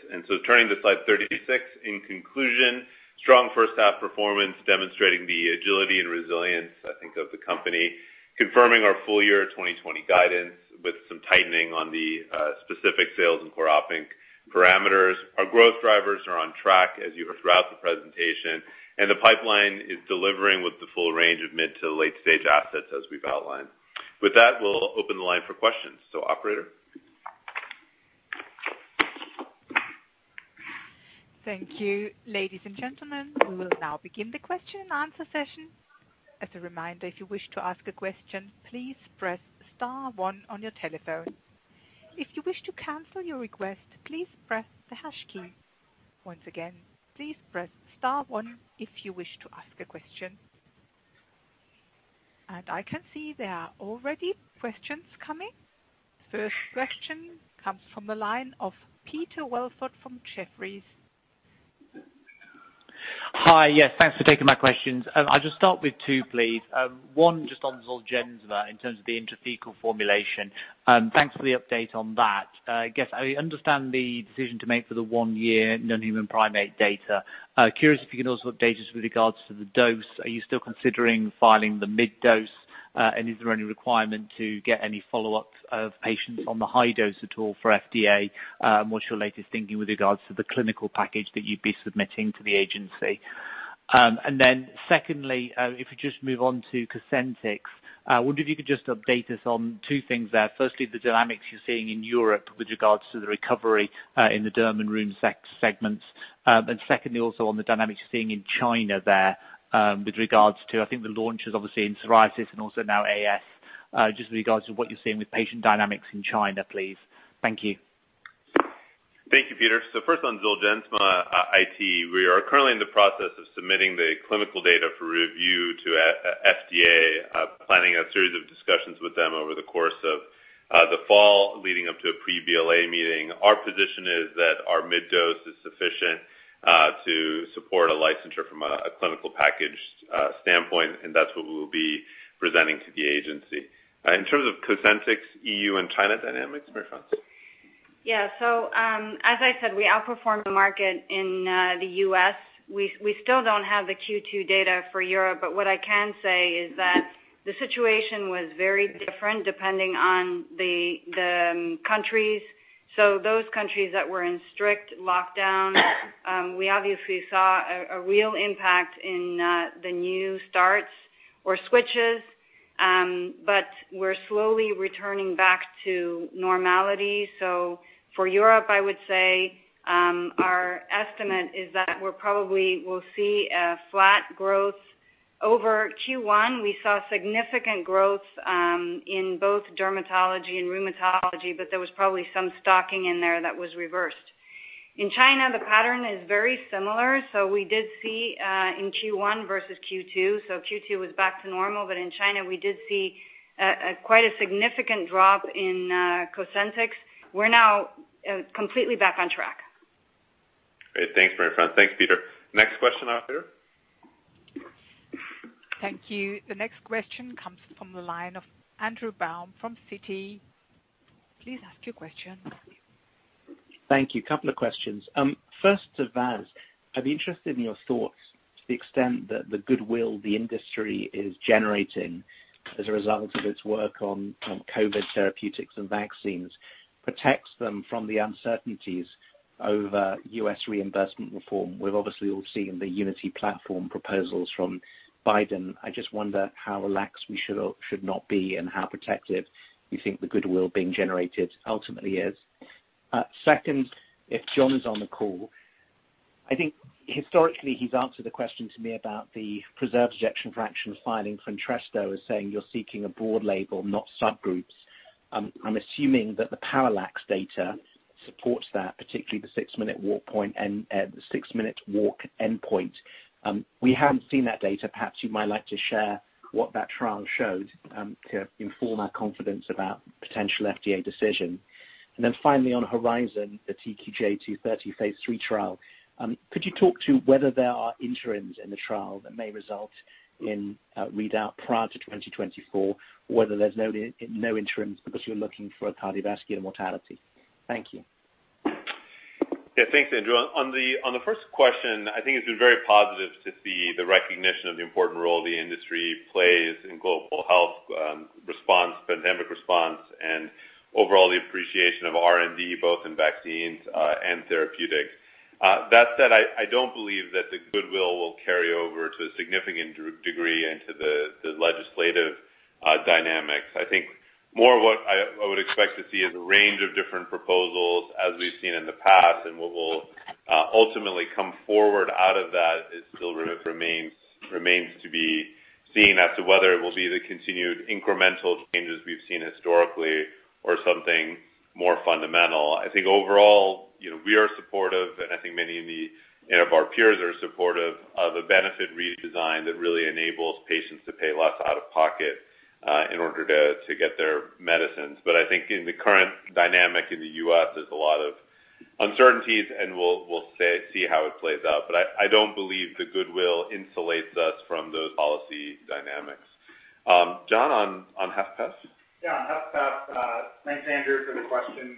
Turning to slide 36, in conclusion, strong first half performance demonstrating the agility and resilience, I think, of the company. Confirming our full year 2020 guidance with some tightening on the specific sales and core operating parameters. Our growth drivers are on track, as you heard throughout the presentation, and the pipeline is delivering with the full range of mid to late-stage assets as we've outlined. With that, we'll open the line for questions. Operator? Thank you. Ladies and gentlemen, we will now begin the question and answer session. As a reminder, if you wish to ask a question, please press star one on your telephone. If you wish to cancel your request, please press the hash key. Once again, please press star one if you wish to ask a question. I can see there are already questions coming. First question comes from the line of Peter Welford from Jefferies. Hi. Yes, thanks for taking my questions. I'll just start with two, please. One, just on Zolgensma in terms of the intrathecal formulation. Thanks for the update on that. I guess I understand the decision to make for the one-year non-human primate data. Curious if you can also update us with regards to the dose. Are you still considering filing the mid dose, and is there any requirement to get any follow-ups of patients on the high dose at all for FDA? What's your latest thinking with regards to the clinical package that you'd be submitting to the agency? Secondly, if you just move on to COSENTYX, I wonder if you could just update us on two things there. Firstly, the dynamics you're seeing in Europe with regards to the recovery in the derm and rheum segments. Secondly, also on the dynamics you're seeing in China there, with regards to, I think the launches obviously in psoriasis and also now AS, just with regards to what you're seeing with patient dynamics in China, please. Thank you. Thank you, Peter. First on Zolgensma IT, we are currently in the process of submitting the clinical data for review to FDA, planning a series of discussions with them over the course of the fall leading up to a pre-BLA meeting. Our position is that our mid-dose is sufficient to support a licensure from a clinical package standpoint, and that's what we will be presenting to the agency. In terms of COSENTYX EU and China dynamics, Marie-France? Yeah. As I said, we outperformed the market in the U.S. We still don't have the Q2 data for Europe, but what I can say is that the situation was very different depending on the countries. Those countries that were in strict lockdown, we obviously saw a real impact in the new starts or switches, but we're slowly returning back to normality. For Europe, I would say our estimate is that we'll see a flat growth. Over Q1, we saw significant growth, in both dermatology and rheumatology, but there was probably some stocking in there that was reversed. In China, the pattern is very similar. We did see in Q1 versus Q2, so Q2 was back to normal. In China we did see quite a significant drop in Cosentyx. We're now completely back on track. Great. Thanks, Marie-France. Thanks, Peter. Next question, operator. Thank you. The next question comes from the line of Andrew Baum from Citi. Please ask your question. Thank you. A couple of questions. First to Vas. I'd be interested in your thoughts to the extent that the goodwill the industry is generating as a result of its work on COVID therapeutics and vaccines protects them from the uncertainties over U.S. reimbursement reform. We've obviously all seen the unity platform proposals from Biden. I just wonder how relaxed we should or should not be and how protective you think the goodwill being generated ultimately is. Second, if John is on the call, I think historically he's answered the question to me about the preserved ejection fraction filing for Entresto as saying you're seeking a broad label, not subgroups. I'm assuming that the PARALLAX data supports that, particularly the six-minute walk endpoint. We haven't seen that data. Perhaps you might like to share what that trial showed, to inform our confidence about potential FDA decision. Finally on HORIZON, the TQJ230 phase III trial. Could you talk to whether there are interims in the trial that may result in a readout prior to 2024, or whether there's no interims because you're looking for a cardiovascular mortality? Thank you. Yeah, thanks, Andrew. On the first question, I think it's been very positive to see the recognition of the important role the industry plays in global health response, pandemic response, and overall the appreciation of R&D, both in vaccines and therapeutics. That said, I don't believe that the goodwill will carry over to a significant degree into the legislative dynamics. I think more what I would expect to see is a range of different proposals as we've seen in the past, and what will ultimately come forward out of that still remains to be seen as to whether it will be the continued incremental changes we've seen historically or something more fundamental. I think overall, we are supportive, and I think many of our peers are supportive of a benefit redesign that really enables patients to pay less out of pocket in order to get their medicines. I think in the current dynamic in the U.S., there's a lot of uncertainties and we'll see how it plays out. I don't believe the goodwill insulates us from those policy dynamics. John on HFpEF? Yeah, on HFpEF. Thanks, Andrew, for the question.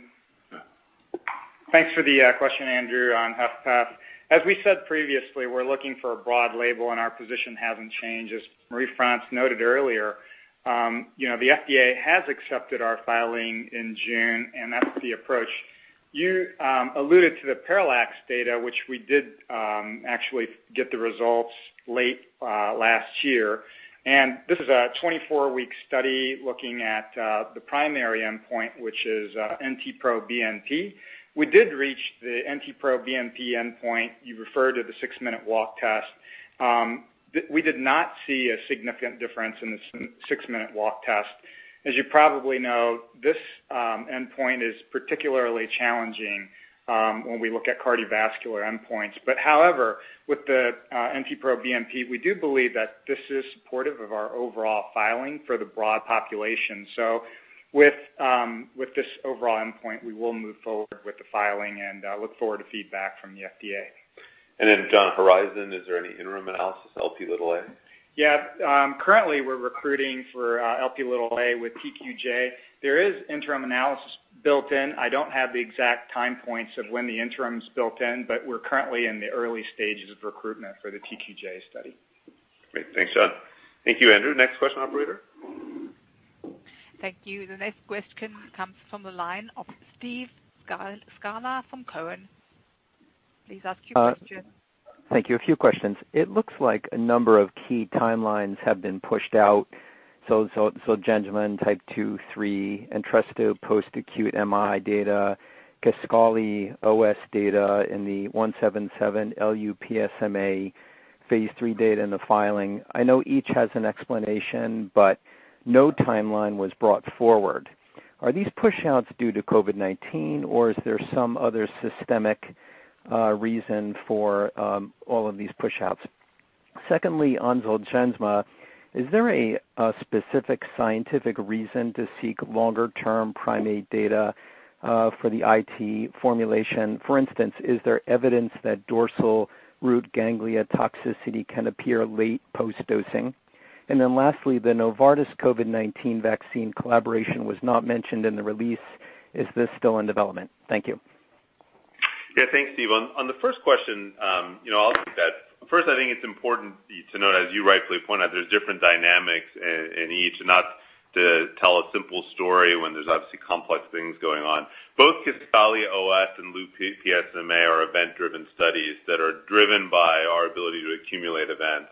Thanks for the question, Andrew, on HFpEF. As we said previously, we're looking for a broad label. Our position hasn't changed. As Marie-France noted earlier, the FDA has accepted our filing in June, and that's the approach. You alluded to the PARALLAX data, which we did actually get the results late last year. This is a 24-week study looking at the primary endpoint, which is NT-proBNP. We did reach the NT-proBNP endpoint. You referred to the six-minute walk test. We did not see a significant difference in the six-minute walk test. As you probably know, this endpoint is particularly challenging when we look at cardiovascular endpoints. However, with the NT-proBNP, we do believe that this is supportive of our overall filing for the broad population. With this overall endpoint, we will move forward with the filing and look forward to feedback from the FDA. John, HORIZON, is there any interim analysis, Lp? Yeah. Currently we're recruiting for Lp(a) with TQJ230. There is interim analysis built in. I don't have the exact time points of when the interim's built in, but we're currently in the early stages of recruitment for the TQJ230 study. Great. Thanks, John. Thank you, Andrew. Next question, operator. Thank you. The next question comes from the line of Steve Scala from Cowen. Please ask your question. Thank you. A few questions. It looks like a number of key timelines have been pushed out. Zolgensma type 2, 3, Entresto post-acute MI data, Kisqali OS data in the 177Lu-PSMA-617, Lu-PSMA phase III data in the filing. I know each has an explanation, but no timeline was brought forward. Are these push outs due to COVID-19 or is there some other systemic reason for all of these push outs? Secondly, on Zolgensma, is there a specific scientific reason to seek longer-term primate data for the IT formulation? For instance, is there evidence that dorsal root ganglia toxicity can appear late post-dosing? Lastly, the Novartis COVID-19 vaccine collaboration was not mentioned in the release. Is this still in development? Thank you. Yeah. Thanks, Steve. On the first question, I'll take that. First, I think it's important to note, as you rightfully pointed out, there's different dynamics in each, not to tell a simple story when there's obviously complex things going on. Both Kisqali OS and LuPSMA are event-driven studies that are driven by our ability to accumulate events.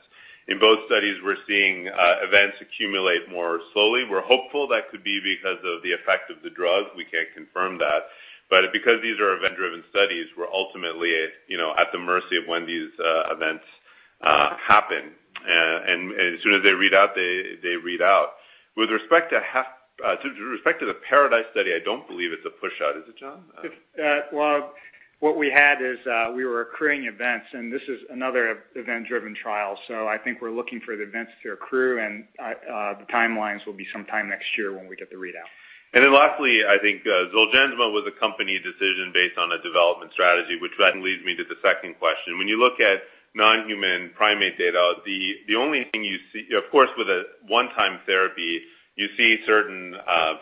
In both studies, we're seeing events accumulate more slowly. We're hopeful that could be because of the effect of the drug. We can't confirm that. Because these are event-driven studies, we're ultimately at the mercy of when these events happen. As soon as they read out, they read out. With respect to the PARADISE-MI study, I don't believe it's a push out. Is it, John? Well, what we had is we were accruing events, and this is another event-driven trial. I think we're looking for the events to accrue, and the timelines will be sometime next year when we get the readout. Lastly, I think Zolgensma was a company decision based on a development strategy, which then leads me to the second question. When you look at non-human primate data, of course with a one-time therapy, you see certain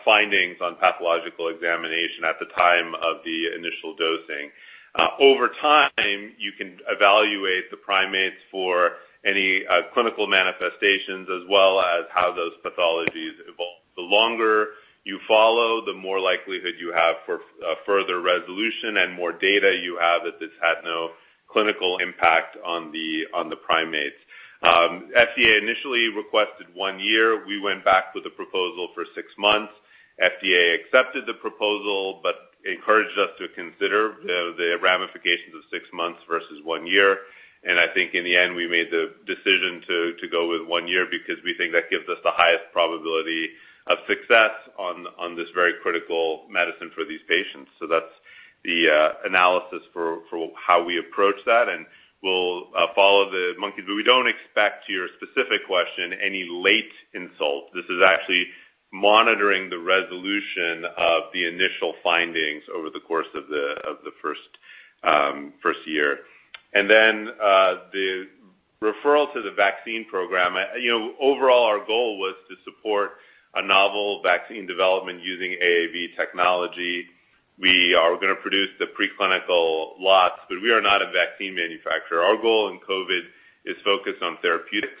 findings on pathological examination at the time of the initial dosing. Over time, you can evaluate the primates for any clinical manifestations as well as how those pathologies evolve. The longer you follow, the more likelihood you have for further resolution and more data you have that this had no clinical impact on the primates. FDA initially requested one year. We went back with a proposal for six months. FDA accepted the proposal, but encouraged us to consider the ramifications of six months versus one year. I think in the end, we made the decision to go with one year because we think that gives us the highest probability of success on this very critical medicine for these patients. That's the analysis for how we approach that, and we'll follow the monkeys. We don't expect, to your specific question, any late insult. This is actually monitoring the resolution of the initial findings over the course of the first year. The referral to the vaccine program. Overall, our goal was to support a novel vaccine development using AAV technology. We are going to produce the preclinical lots, but we are not a vaccine manufacturer. Our goal in COVID is focused on therapeutics.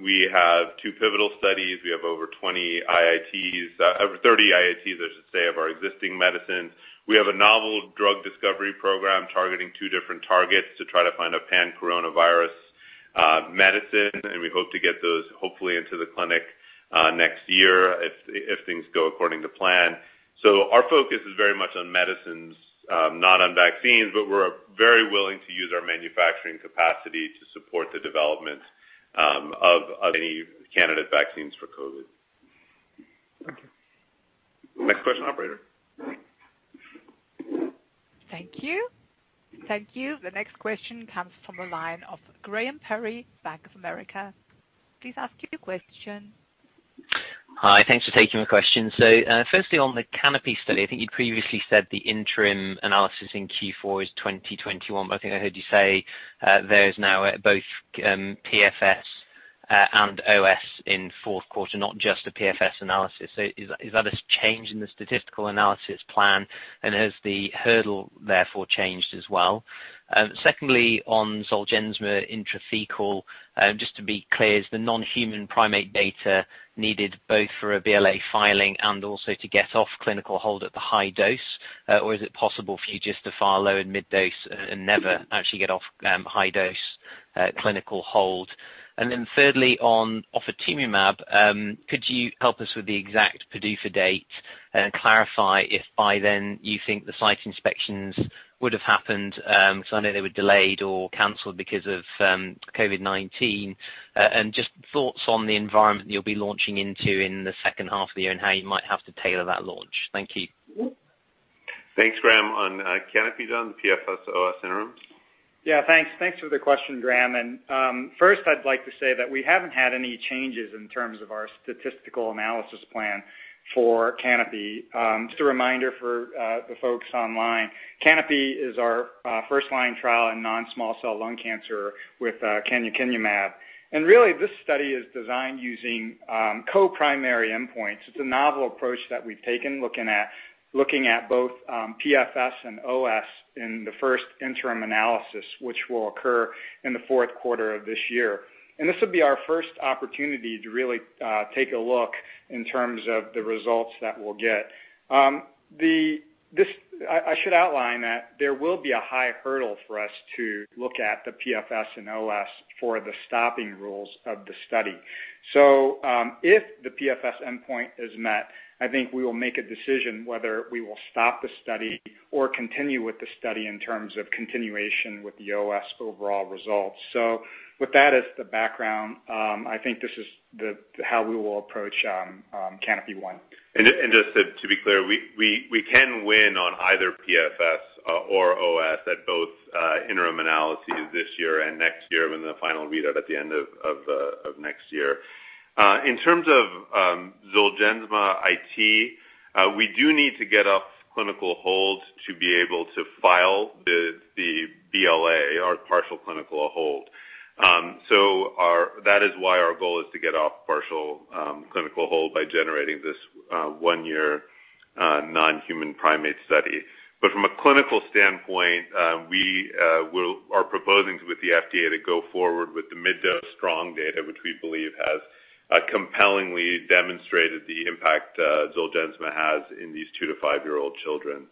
We have two pivotal studies. We have over 30 IITs, I should say, of our existing medicines. We have a novel drug discovery program targeting two different targets to try to find a pan-coronavirus medicine. We hope to get those hopefully into the clinic next year if things go according to plan. Our focus is very much on medicines, not on vaccines, but we're very willing to use our manufacturing capacity to support the development of any candidate vaccines for COVID. Thank you. Next question, operator. Thank you. The next question comes from the line of Graham Parry, Bank of America. Please ask your question. Hi. Thanks for taking my question. Firstly, on the CANOPY study, I think you'd previously said the interim analysis in Q4 is 2021, but I think I heard you say there's now both PFS and OS in fourth quarter, not just a PFS analysis. Has that changed in the statistical analysis plan? Has the hurdle therefore changed as well? Secondly, on Zolgensma intrathecal, just to be clear, is the non-human primate data needed both for a BLA filing and also to get off clinical hold at the high dose? Is it possible for you just to file low and mid dose and never actually get off high dose clinical hold? Thirdly, on ofatumumab, could you help us with the exact PDUFA date and clarify if by then you think the site inspections would have happened? I know they were delayed or canceled because of COVID-19. Just thoughts on the environment you'll be launching into in the second half of the year and how you might have to tailor that launch. Thank you. Thanks, Graham. On CANOPY, John, the PFS OS interim. Yeah, thanks for the question, Graham. First I'd like to say that we haven't had any changes in terms of our statistical analysis plan for CANOPY. Just a reminder for the folks online, CANOPY is our first-line trial in non-small cell lung cancer with canakinumab. Really this study is designed using co-primary endpoints. It's a novel approach that we've taken, looking at both PFS and OS in the first interim analysis, which will occur in the fourth quarter of this year. This will be our first opportunity to really take a look in terms of the results that we'll get. I should outline that there will be a high hurdle for us to look at the PFS and OS for the stopping rules of the study. If the PFS endpoint is met, I think we will make a decision whether we will stop the study or continue with the study in terms of continuation with the OS overall results. With that as the background, I think this is how we will approach CANOPY 1. Just to be clear, we can win on either PFS or OS at both interim analyses this year and next year when the final readout at the end of next year. In terms of Zolgensma, we do need to get off clinical hold to be able to file the BLA or partial clinical hold. That is why our goal is to get off partial clinical hold by generating this one year non-human primate study. From a clinical standpoint, we are proposing with the FDA to go forward with the mid dose strong data, which we believe has compellingly demonstrated the impact Zolgensma has in these 2- to 5-year-old children.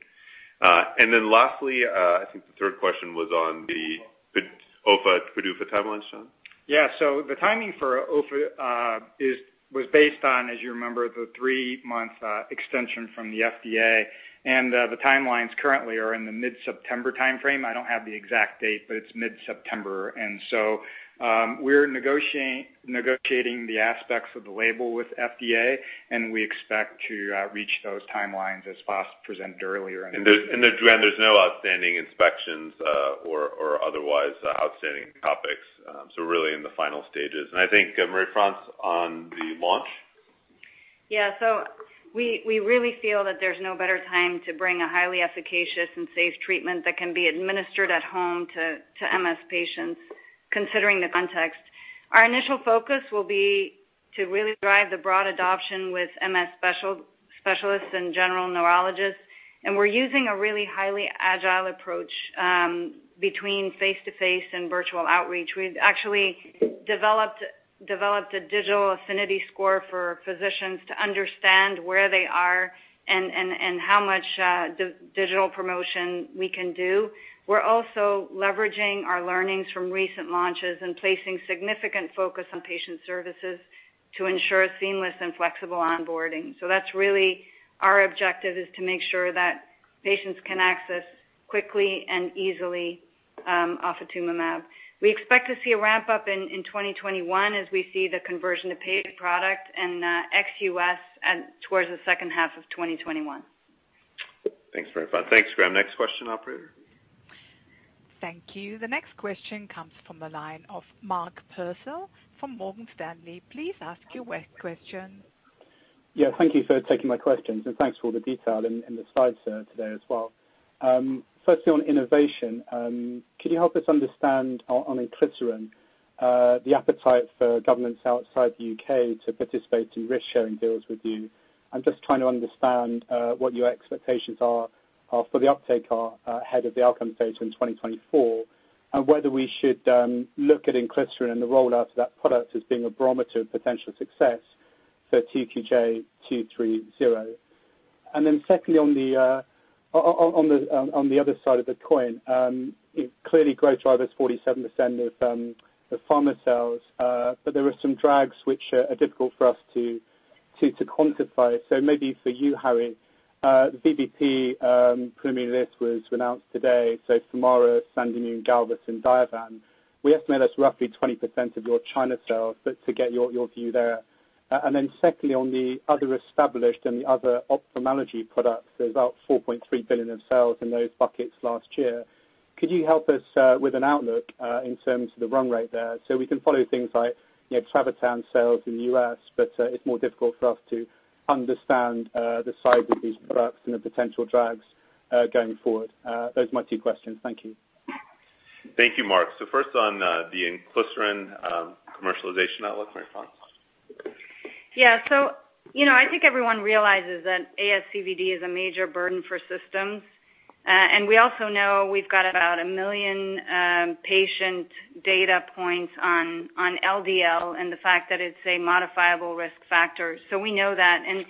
Lastly, I think the third question was on the OFA PDUFA timeline, John. Yeah. The timing for OFA was based on, as you remember, the three-month extension from the FDA. The timelines currently are in the mid-September timeframe. I don't have the exact date, but it's mid-September. We're negotiating the aspects of the label with FDA, and we expect to reach those timelines as Vas presented earlier. Graham, there's no outstanding inspections or otherwise outstanding topics. Really in the final stages. I think Marie-France on the launch. We really feel that there's no better time to bring a highly efficacious and safe treatment that can be administered at home to MS patients, considering the context. Our initial focus will be to really drive the broad adoption with MS specialists and general neurologists. We're using a really highly agile approach between face-to-face and virtual outreach. We've actually developed a digital affinity score for physicians to understand where they are and how much digital promotion we can do. We're also leveraging our learnings from recent launches and placing significant focus on patient services to ensure seamless and flexible onboarding. That's really our objective is to make sure that patients can access quickly and easily ofatumumab. We expect to see a ramp up in 2021 as we see the conversion to paid product and ex-US towards the second half of 2021. Thanks, Marie-France. Thanks, Graeme. Next question, operator. Thank you. The next question comes from the line of Mark Purcell from Morgan Stanley. Please ask your question. Yeah. Thank you for taking my questions, and thanks for all the detail in the slides today as well. Firstly, on innovation, can you help us understand on inclisiran the appetite for governments outside the U.K. to participate in risk sharing deals with you? I'm just trying to understand what your expectations are for the uptake ahead of the outcome date in 2024, and whether we should look at inclisiran and the rollout of that product as being a barometer of potential success for TQJ230. Secondly, on the other side of the coin, clearly growth drivers 47% of pharma sales, but there are some drags which are difficult for us to quantify. Maybe for you, Harry, the VBP preliminary list was announced today. Femara, Sandimmune, Galvus, and Diovan. We estimate that's roughly 20% of your China sales, but to get your view there. Secondly, on the other established and the other ophthalmology products, there's about $4.3 billion of sales in those buckets last year. Could you help us with an outlook in terms of the run rate there? We can follow things like TRAVATAN sales in the U.S., but it's more difficult for us to understand the size of these products and the potential drags going forward. Those are my two questions. Thank you. Thank you, Mark. First on the inclisiran commercialization outlook, Marie-France. Yeah. I think everyone realizes that ASCVD is a major burden for systems. We also know we've got about a million patient data points on LDL and the fact that it's a modifiable risk factor. We know that, and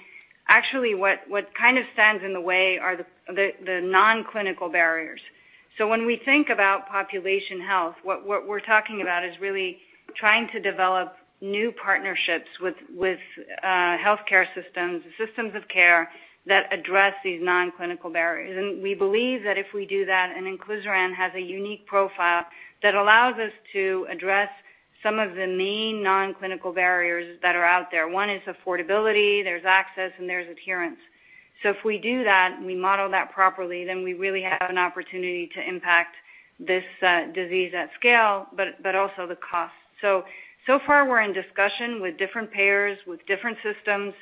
actually what kind of stands in the way are the non-clinical barriers. When we think about population health, what we're talking about is really trying to develop new partnerships with healthcare systems of care that address these non-clinical barriers. We believe that if we do that, and inclisiran has a unique profile that allows us to address some of the main non-clinical barriers that are out there. One is affordability, there's access, and there's adherence. If we do that and we model that properly, then we really have an opportunity to impact this disease at scale, but also the cost. So far we're in discussion with different payers, with different systems,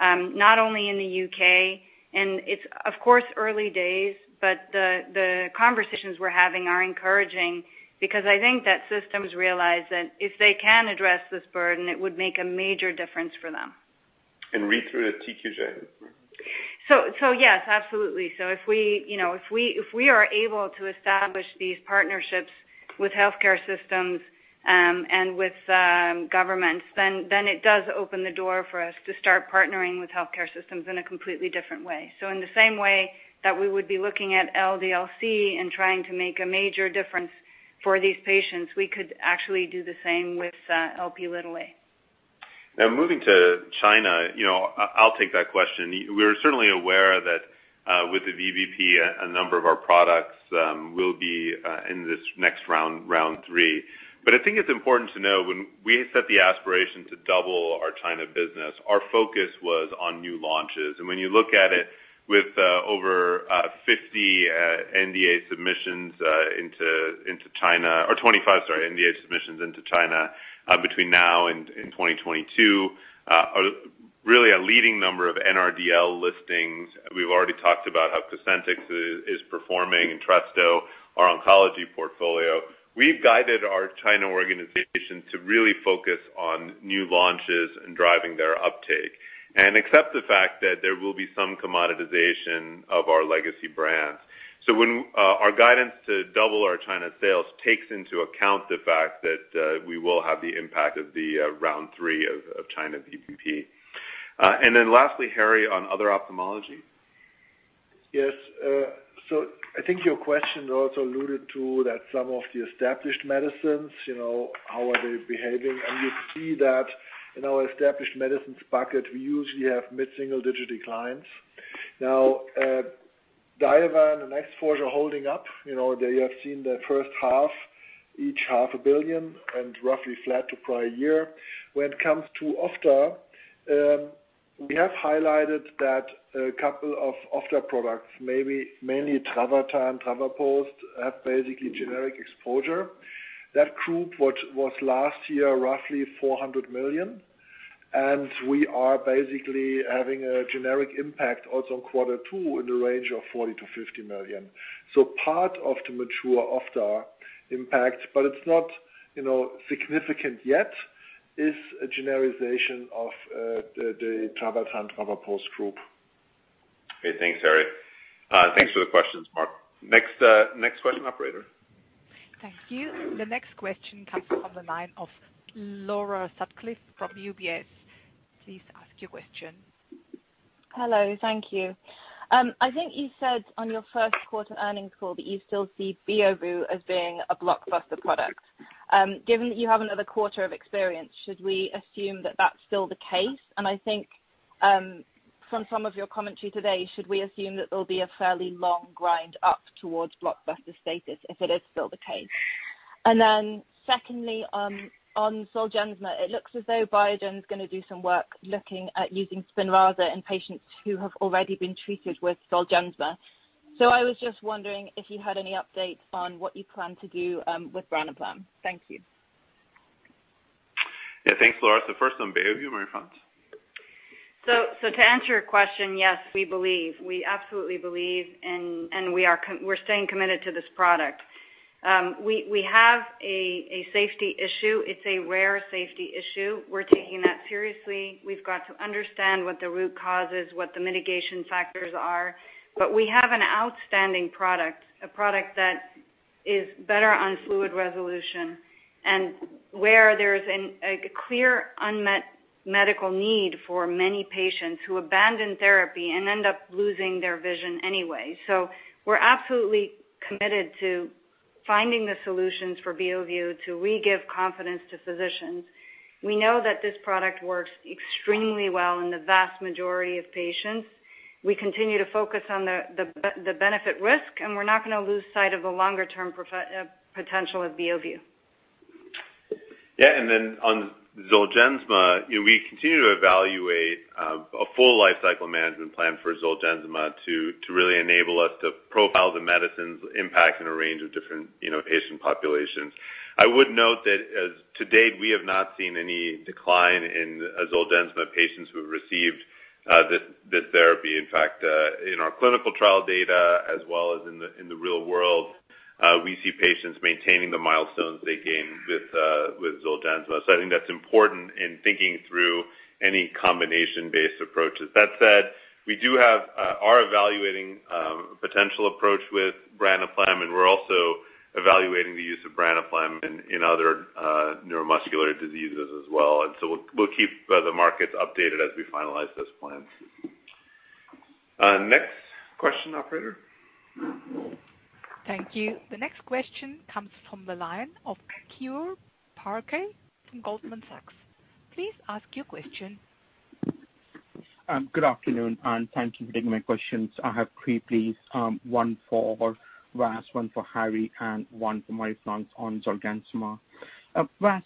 not only in the U.K. It's of course early days, but the conversations we're having are encouraging because I think that systems realize that if they can address this burden, it would make a major difference for them. Read through the TQJ230. Yes, absolutely. If we are able to establish these partnerships with healthcare systems, and with governments, then it does open the door for us to start partnering with healthcare systems in a completely different way. In the same way that we would be looking at LDL-C and trying to make a major difference for these patients, we could actually do the same with Lp(a). Moving to China, I'll take that question. We're certainly aware that with the VBP, a number of our products will be in this next round 3. I think it's important to know when we set the aspiration to double our China business, our focus was on new launches. When you look at it with over 50 NDA submissions into China or 25, sorry, NDA submissions into China between now and 2022, really a leading number of NRDL listings. We've already talked about how COSENTYX is performing Entresto, our oncology portfolio. We've guided our China organization to really focus on new launches and driving their uptake and accept the fact that there will be some commoditization of our legacy brands. When our guidance to double our China sales takes into account the fact that we will have the impact of the round 3 of China VBP. Then lastly, Harry, on other ophthalmology. Yes. I think your question also alluded to that some of the established medicines, how are they behaving? You see that in our established medicines bucket, we usually have mid-single-digit declines. Diovan and Exforge are holding up. They have seen their first half, each half a billion and roughly flat to prior year. Ophtha, we have highlighted that a couple of Ophtha products, maybe mainly TRAVATAN, travoprost, have basically generic exposure. That group was last year roughly $400 million, we are basically having a generic impact also in Q2 in the range of $40 million-$50 million. Part of the mature Ophtha impact, but it's not significant yet, is a generalization of the TRAVATAN, travoprost group. Great. Thanks, Harry. Thanks for the questions, Mark. Next question, operator. Thank you. The next question comes from the line of Laura Sutcliffe from UBS. Please ask your question. Hello. Thank you. I think you said on your first quarter earnings call that you still see Beovu as being a blockbuster product. Given that you have another quarter of experience, should we assume that that's still the case? I think, from some of your commentary today, should we assume that there'll be a fairly long grind up towards blockbuster status if it is still the case? Secondly, on Zolgensma, it looks as though Biogen's going to do some work looking at using SPINRAZA in patients who have already been treated with Zolgensma. I was just wondering if you had any updates on what you plan to do with branaplam. Thank you. Yeah, thanks, Laura. First on Beovu, Marie-France. To answer your question, yes, we believe. We absolutely believe and we're staying committed to this product. We have a safety issue. It's a rare safety issue. We're taking that seriously. We've got to understand what the root cause is, what the mitigation factors are. We have an outstanding product, a product that is better on fluid resolution and where there's a clear unmet medical need for many patients who abandon therapy and end up losing their vision anyway. We're absolutely committed to finding the solutions for Beovu to re-give confidence to physicians. We know that this product works extremely well in the vast majority of patients. We continue to focus on the benefit risk, and we're not going to lose sight of the longer-term potential of Beovu. Yeah. Then on Zolgensma, we continue to evaluate a full lifecycle management plan for Zolgensma to really enable us to profile the medicine's impact in a range of different patient populations. I would note that as to date, we have not seen any decline in Zolgensma patients who have received this therapy. In fact, in our clinical trial data as well as in the real world, we see patients maintaining the milestones they gain with Zolgensma. I think that's important in thinking through any combination-based approaches. That said, we do have our evaluating potential approach with branaplam, and we're also evaluating the use of branaplam in other neuromuscular diseases as well. We'll keep the markets updated as we finalize those plans. Next question, operator. Thank you. The next question comes from the line of Keyur Parekh from Goldman Sachs. Please ask your question. Good afternoon. Thank you for taking my questions. I have three, please. One for Vas, one for Harry, and one for Marie-France on Zolgensma. Vas.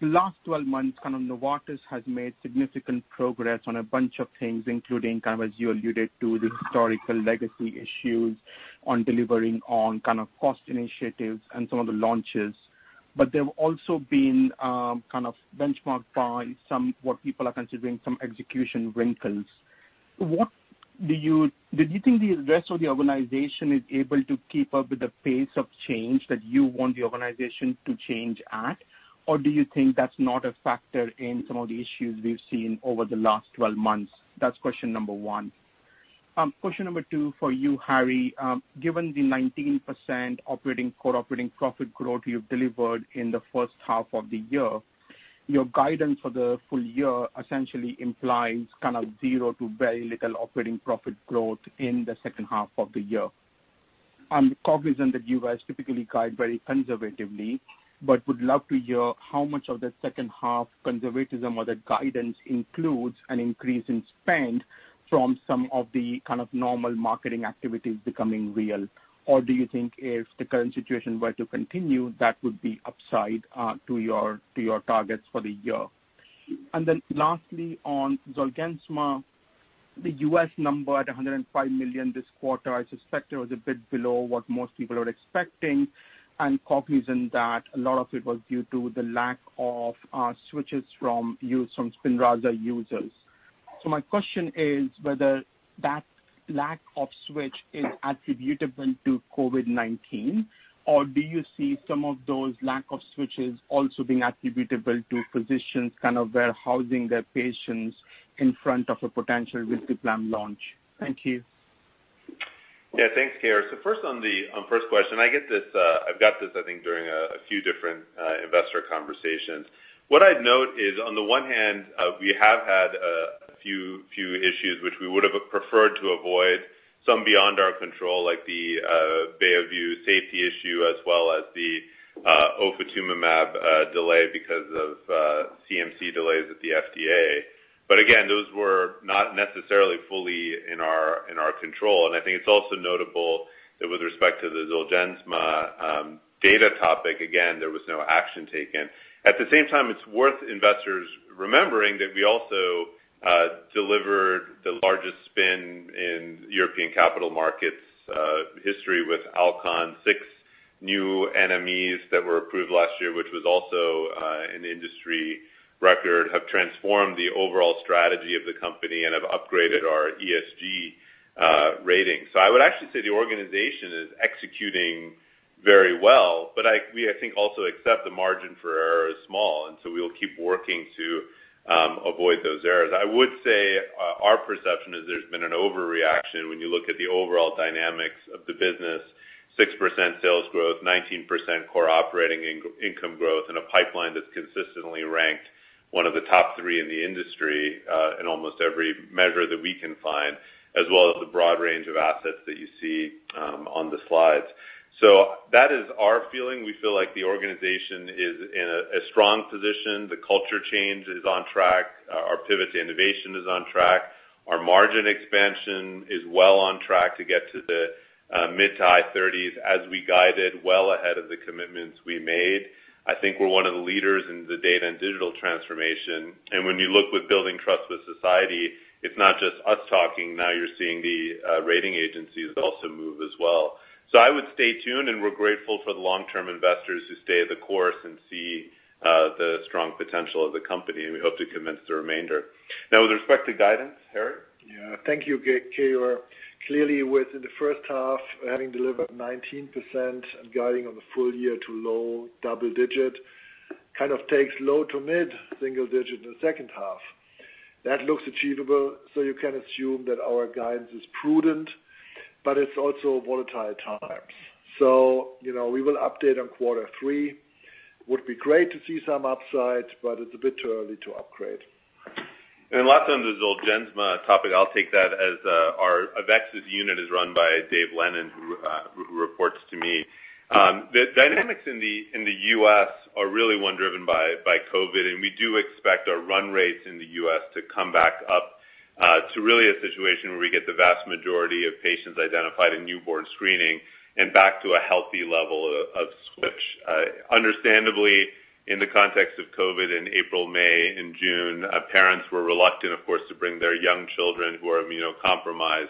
Last 12 months, kind of Novartis has made significant progress on a bunch of things, including, kind of as you alluded to, the historical legacy issues on delivering on kind of cost initiatives and some of the launches. They've also been kind of benchmarked by what people are considering some execution wrinkles. Do you think the rest of the organization is able to keep up with the pace of change that you want the organization to change at? Do you think that's not a factor in some of the issues we've seen over the last 12 months? That's question number one. Question number two for you, Harry. Given the 19% operating core operating profit growth you've delivered in the first half of the year, your guidance for the full year essentially implies kind of zero to very little operating profit growth in the second half of the year. I'm cognizant that you guys typically guide very conservatively. Would love to hear how much of the second half conservatism or the guidance includes an increase in spend from some of the kind of normal marketing activities becoming real. Do you think if the current situation were to continue, that would be upside to your targets for the year? Lastly, on Zolgensma, the U.S. number at $105 million this quarter, I suspect it was a bit below what most people are expecting, and cognizant that a lot of it was due to the lack of switches from Spinraza users. My question is whether that lack of switch is attributable to COVID-19, or do you see some of those lack of switches also being attributable to physicians kind of warehousing their patients in front of a potential risdiplam launch? Thank you. Thanks, Keyur. First on the first question, I've got this, I think, during a few different investor conversations. What I'd note is, on the one hand, we have had a few issues which we would have preferred to avoid. Some beyond our control, like the Beovu safety issue, as well as the ofatumumab delay because of CMC delays at the FDA. Again, those were not necessarily fully in our control. I think it's also notable that with respect to the Zolgensma data topic, again, there was no action taken. At the same time, it's worth investors remembering that we also delivered the largest spin in European capital markets history with Alcon, 6 new NMEs that were approved last year, which was also an industry record, have transformed the overall strategy of the company and have upgraded our ESG rating. I would actually say the organization is executing very well, but we, I think, also accept the margin for error is small, and so we will keep working to avoid those errors. I would say our perception is there's been an overreaction when you look at the overall dynamics of the business, 6% sales growth, 19% core operating income growth, and a pipeline that's consistently ranked one of the top 3 in the industry in almost every measure that we can find, as well as the broad range of assets that you see on the slides. That is our feeling. We feel like the organization is in a strong position. The culture change is on track. Our pivot to innovation is on track. Our margin expansion is well on track to get to the mid-to-high 30s as we guided well ahead of the commitments we made. I think we're one of the leaders in the data and digital transformation. When you look with building trust with society, it's not just us talking. Now you're seeing the rating agencies also move as well. I would stay tuned, and we're grateful for the long-term investors who stay the course and see the strong potential of the company, and we hope to convince the remainder. Now with respect to guidance, Harry? Yeah. Thank you, Keyur. Clearly, within the first half, having delivered 19% and guiding on the full year to low double-digit kind of takes low to mid single-digit in the second half. That looks achievable, so you can assume that our guidance is prudent, but it's also volatile times. We will update on quarter three. Would be great to see some upside, but it's a bit too early to upgrade. Last on the Zolgensma topic, I'll take that as our AveXis unit is run by David Lennon, who reports to me. The dynamics in the U.S. are really one driven by COVID, and we do expect our run rates in the U.S. to come back up to really a situation where we get the vast majority of patients identified in newborn screening and back to a healthy level of switch. Understandably, in the context of COVID in April, May, and June, parents were reluctant, of course, to bring their young children who are immunocompromised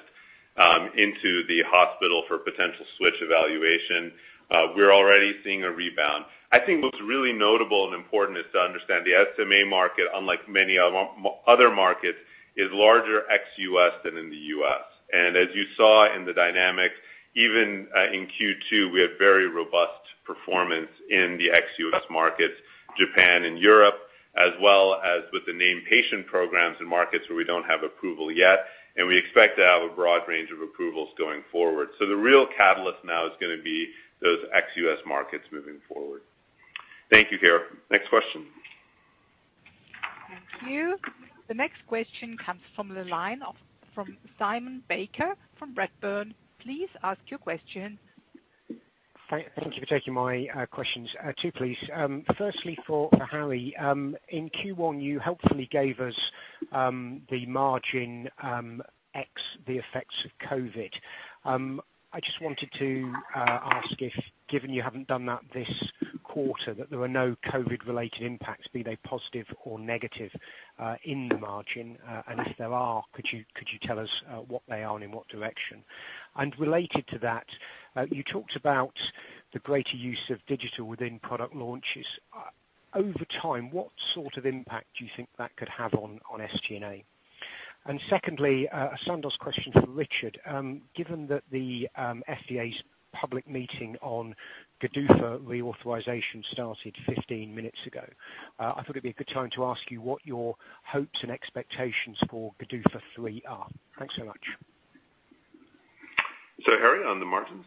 into the hospital for potential switch evaluation. We're already seeing a rebound. I think what's really notable and important is to understand the SMA market, unlike many other markets, is larger ex-U.S. than in the U.S. As you saw in the dynamics, even in Q2, we have very robust performance in the ex-U.S. markets, Japan and Europe, as well as with the named patient programs in markets where we don't have approval yet, and we expect to have a broad range of approvals going forward. The real catalyst now is going to be those ex-U.S. markets moving forward. Thank you, Keyur. Next question. Thank you. The next question comes from the line of Simon Baker from Redburn. Please ask your question. Thank you for taking my questions. Two, please. Firstly, for Harry. In Q1, you helpfully gave us the margin ex the effects of COVID. I just wanted to ask if, given you haven't done that this quarter, that there are no COVID-related impacts, be they positive or negative, in the margin. If there are, could you tell us what they are and in what direction? Related to that, you talked about the greater use of digital within product launches. Over time, what sort of impact do you think that could have on SG&A? Secondly, a Sandoz question for Richard. Given that the FDA's public meeting on GDUFA reauthorization started 15 minutes ago, I thought it'd be a good time to ask you what your hopes and expectations for GDUFA III are. Thanks so much. Harry, on the margins.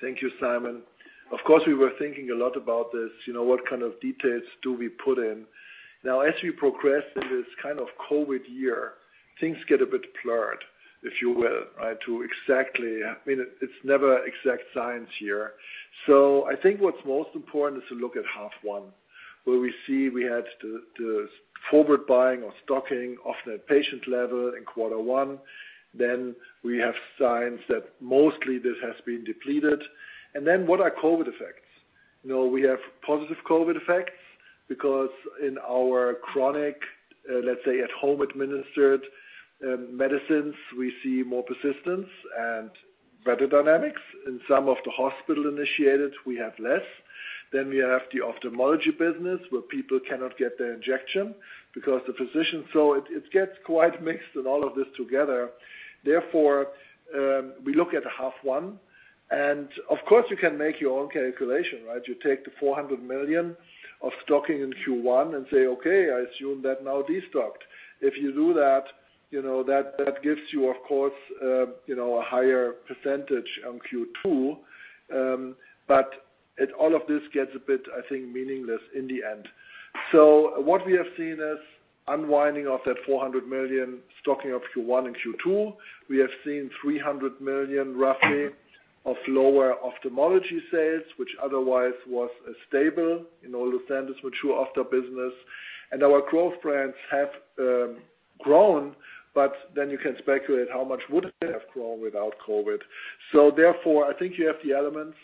Thank you, Simon. Of course, we were thinking a lot about this, what kind of details do we put in. As we progress in this kind of COVID year, things get a bit blurred, if you will, right? It's never exact science here. I think what's most important is to look at half one, where we see we had the forward buying or stocking of that patient level in quarter one. We have signs that mostly this has been depleted. What are COVID effects? We have positive COVID effects because in our chronic, let's say, at-home administered medicines, we see more persistence and better dynamics. In some of the hospital-initiated, we have less. We have the ophthalmology business where people cannot get their injection because the physician. It gets quite mixed and all of this together. We look at half one, and of course you can make your own calculation, right? You take the $400 million of stocking in Q1 and say, "Okay, I assume that now destocked." If you do that gives you, of course, a higher percentage on Q2. All of this gets a bit, I think, meaningless in the end. What we have seen is unwinding of that $400 million stocking of Q1 and Q2. We have seen $300 million roughly of lower ophthalmology sales, which otherwise was stable in all of Sandoz mature after business. Our growth brands have grown, you can speculate how much would they have grown without COVID. I think you have the elements.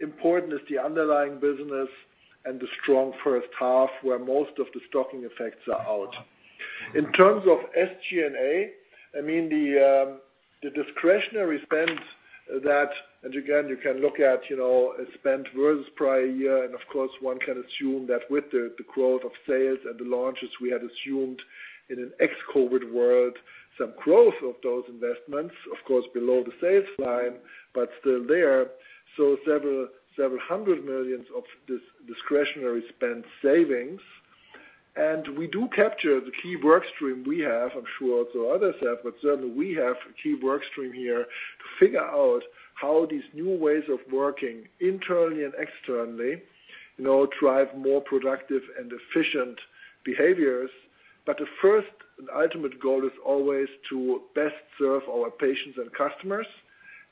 Important is the underlying business and the strong first half where most of the stocking effects are out. In terms of SG&A, the discretionary spend, again you can look at spend versus prior year. Of course one can assume that with the growth of sales and the launches, we had assumed in an ex-COVID world, some growth of those investments, of course below the sales line, but still there. $ several hundred millions of this discretionary spend savings. We do capture the key work stream we have, I'm sure also others have, but certainly we have a key work stream here to figure out how these new ways of working internally and externally drive more productive and efficient behaviors. The first and ultimate goal is always to best serve our patients and customers,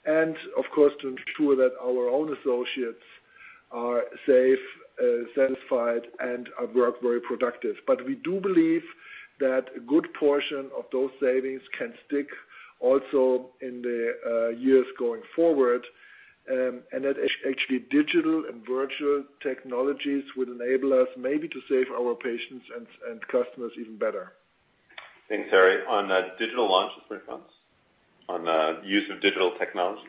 and of course, to ensure that our own associates are safe, satisfied, and our work very productive. We do believe that a good portion of those savings can stick also in the years going forward. That actually digital and virtual technologies would enable us maybe to save our patients and customers even better. Thanks, Harry. On digital launches, Marie-France, on the use of digital technologies.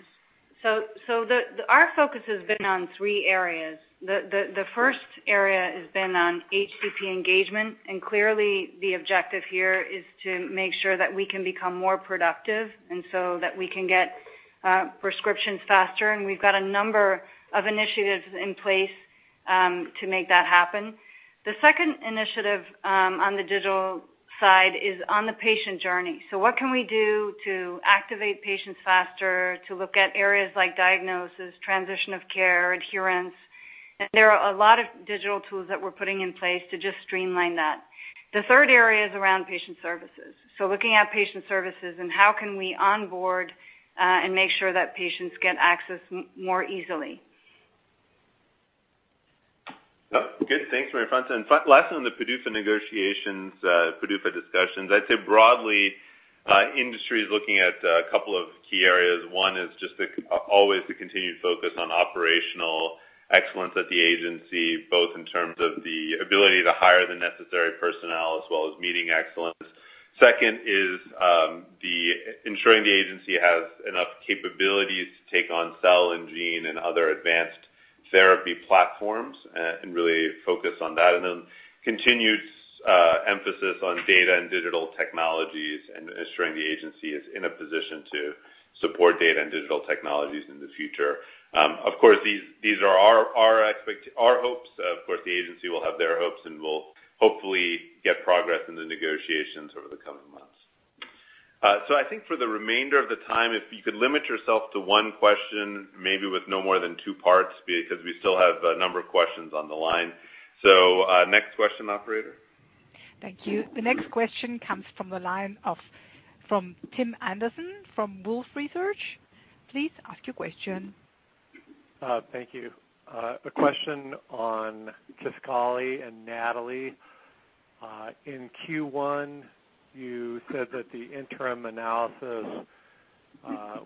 Our focus has been on three areas. The first area has been on HCP engagement, clearly the objective here is to make sure that we can become more productive so that we can get prescriptions faster, we've got a number of initiatives in place to make that happen. The second initiative on the digital side is on the patient journey. What can we do to activate patients faster, to look at areas like diagnosis, transition of care, adherence. There are a lot of digital tools that we're putting in place to just streamline that. The third area is around patient services. Looking at patient services how can we onboard and make sure that patients get access more easily. Good. Thanks, Marie-France. Last one on the PDUFA negotiations, PDUFA discussions. I'd say broadly, industry is looking at a couple of key areas. One is just always the continued focus on operational excellence at the agency, both in terms of the ability to hire the necessary personnel as well as meeting excellence. Second is ensuring the agency has enough capabilities to take on cell and gene and other advanced therapy platforms and really focus on that, and then continued emphasis on data and digital technologies and ensuring the agency is in a position to support data and digital technologies in the future. Of course, these are our hopes. Of course, the agency will have their hopes, and we'll hopefully get progress in the negotiations over the coming months. I think for the remainder of the time, if you could limit yourself to one question, maybe with no more than two parts, because we still have a number of questions on the line. Next question, operator. Thank you. The next question comes from the line of Tim Anderson from Wolfe Research. Please ask your question. Thank you. A question on Kisqali and NATALEE. In Q1, you said that the interim analysis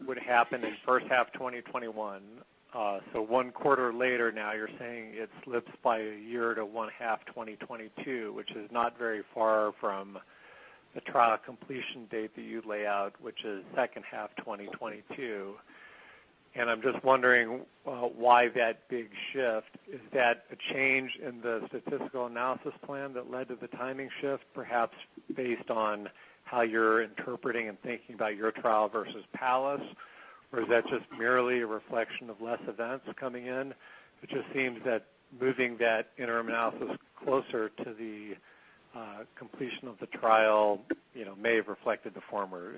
would happen in 1st half 2021. 1 quarter later now you're saying it slips by a year to 1st half 2022, which is not very far from the trial completion date that you lay out, which is 2nd half 2022. I'm just wondering why that big shift. Is that a change in the statistical analysis plan that led to the timing shift, perhaps based on how you're interpreting and thinking about your trial versus PALLAS? Or is that just merely a reflection of less events coming in? It just seems that moving that interim analysis closer to the completion of the trial may have reflected the former,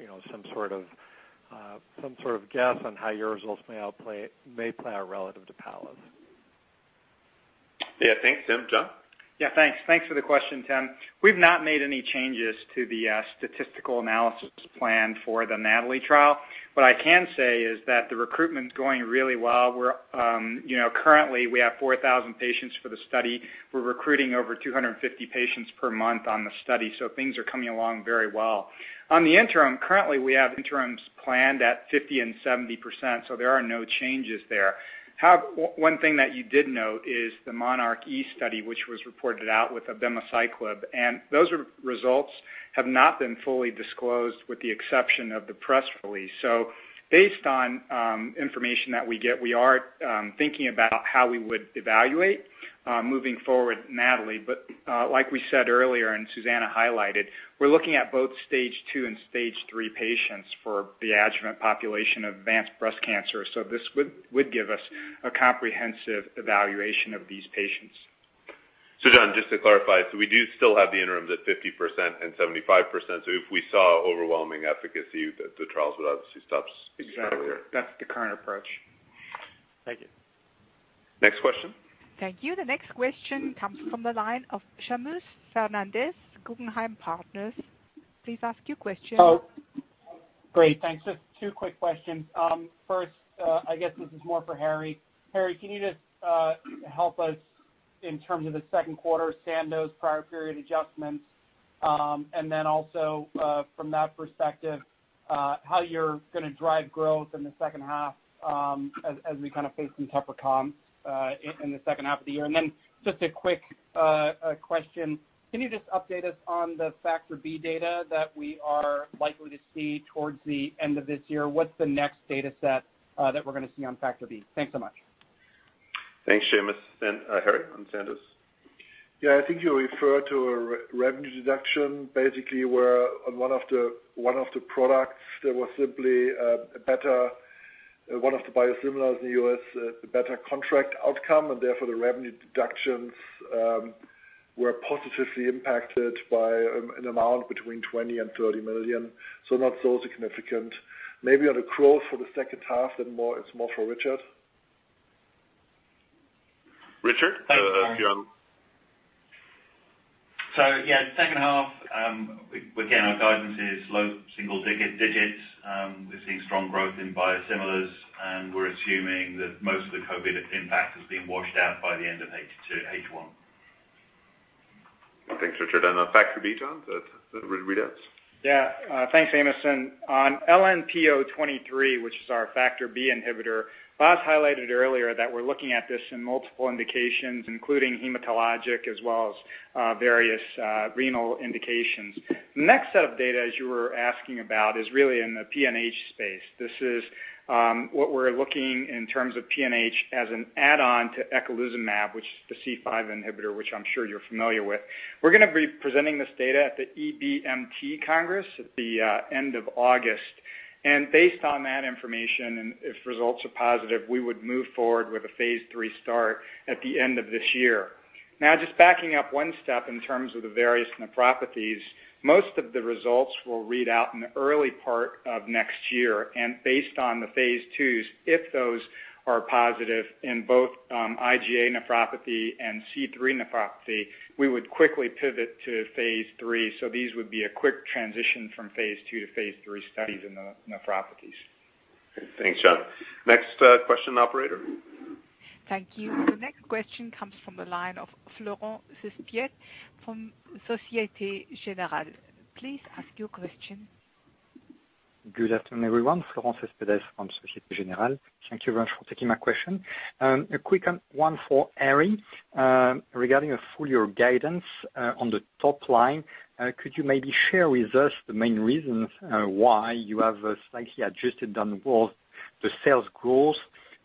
some sort of guess on how your results may play out relative to PALLAS. Yeah, thanks, Tim. John? Yeah, thanks for the question, Tim. We've not made any changes to the statistical analysis plan for the NATALEE trial. What I can say is that the recruitment's going really well. Currently, we have 4,000 patients for the study. We're recruiting over 250 patients per month on the study, things are coming along very well. On the interim, currently, we have interims planned at 50% and 70%, there are no changes there. One thing that you did note is the monarchE study, which was reported out with abemaciclib, those results have not been fully disclosed with the exception of the press release. Based on information that we get, we are thinking about how we would evaluate moving forward NATALEE. Like we said earlier, Susanne highlighted, we're looking at both stage II and stage III patients for the adjuvant population of advanced breast cancer. This would give us a comprehensive evaluation of these patients. John, just to clarify, so we do still have the interims at 50% and 75%. If we saw overwhelming efficacy, the trials would obviously stop sooner. Exactly. That's the current approach. Thank you. Next question. Thank you. The next question comes from the line of Seamus Fernandez, Guggenheim Partners. Please ask your question. Great. Thanks. Just two quick questions. First, I guess this is more for Harry. Harry, can you just help us in terms of the second quarter Sandoz prior period adjustments, and then also from that perspective, how you're going to drive growth in the second half as we kind of face some tougher comps in the second half of the year? Just a quick question, can you just update us on the Factor B data that we are likely to see towards the end of this year? What's the next dataset that we're going to see on Factor B? Thanks so much. Thanks, Seamus. And Harry, on Sandoz. Yeah, I think you refer to a revenue deduction basically where on one of the products there was simply a better one of the biosimilars in the U.S., a better contract outcome, and therefore the revenue deductions were positively impacted by an amount between $20 million and $30 million. Not so significant. Maybe on the growth for the second half, it's more for Richard. Richard, if you're on. Yeah, second half, again, our guidance is low single digits. We're seeing strong growth in biosimilars, and we're assuming that most of the COVID impact has been washed out by the end of H1. Thanks, Richard. On Factor B, John, the readouts. Yeah. Thanks, Seamus. On LNP023, which is our Factor B inhibitor, Vas highlighted earlier that we're looking at this in multiple indications, including hematologic as well as various renal indications. The next set of data, as you were asking about, is really in the PNH space. This is what we're looking in terms of PNH as an add-on to eculizumab, which is the C5 inhibitor, which I'm sure you're familiar with. We're going to be presenting this data at the EBMT Congress at the end of August. Based on that information, and if results are positive, we would move forward with a phase III start at the end of this year. Now just backing up one step in terms of the various nephropathies, most of the results will read out in the early part of next year, and based on the phase IIs, if those are positive in both IgA nephropathy and C3 glomerulopathy, we would quickly pivot to phase III. These would be a quick transition from phase II to phase III studies in the nephropathies. Thanks, John. Next question, operator. Thank you. The next question comes from the line of Florent Cespedes from Societe Generale. Please ask your question. Good afternoon, everyone. Florent Cespedes from Societe Generale. Thank you very much for taking my question. A quick one for Harry. Regarding a full-year guidance on the top line, could you maybe share with us the main reasons why you have slightly adjusted down the sales growth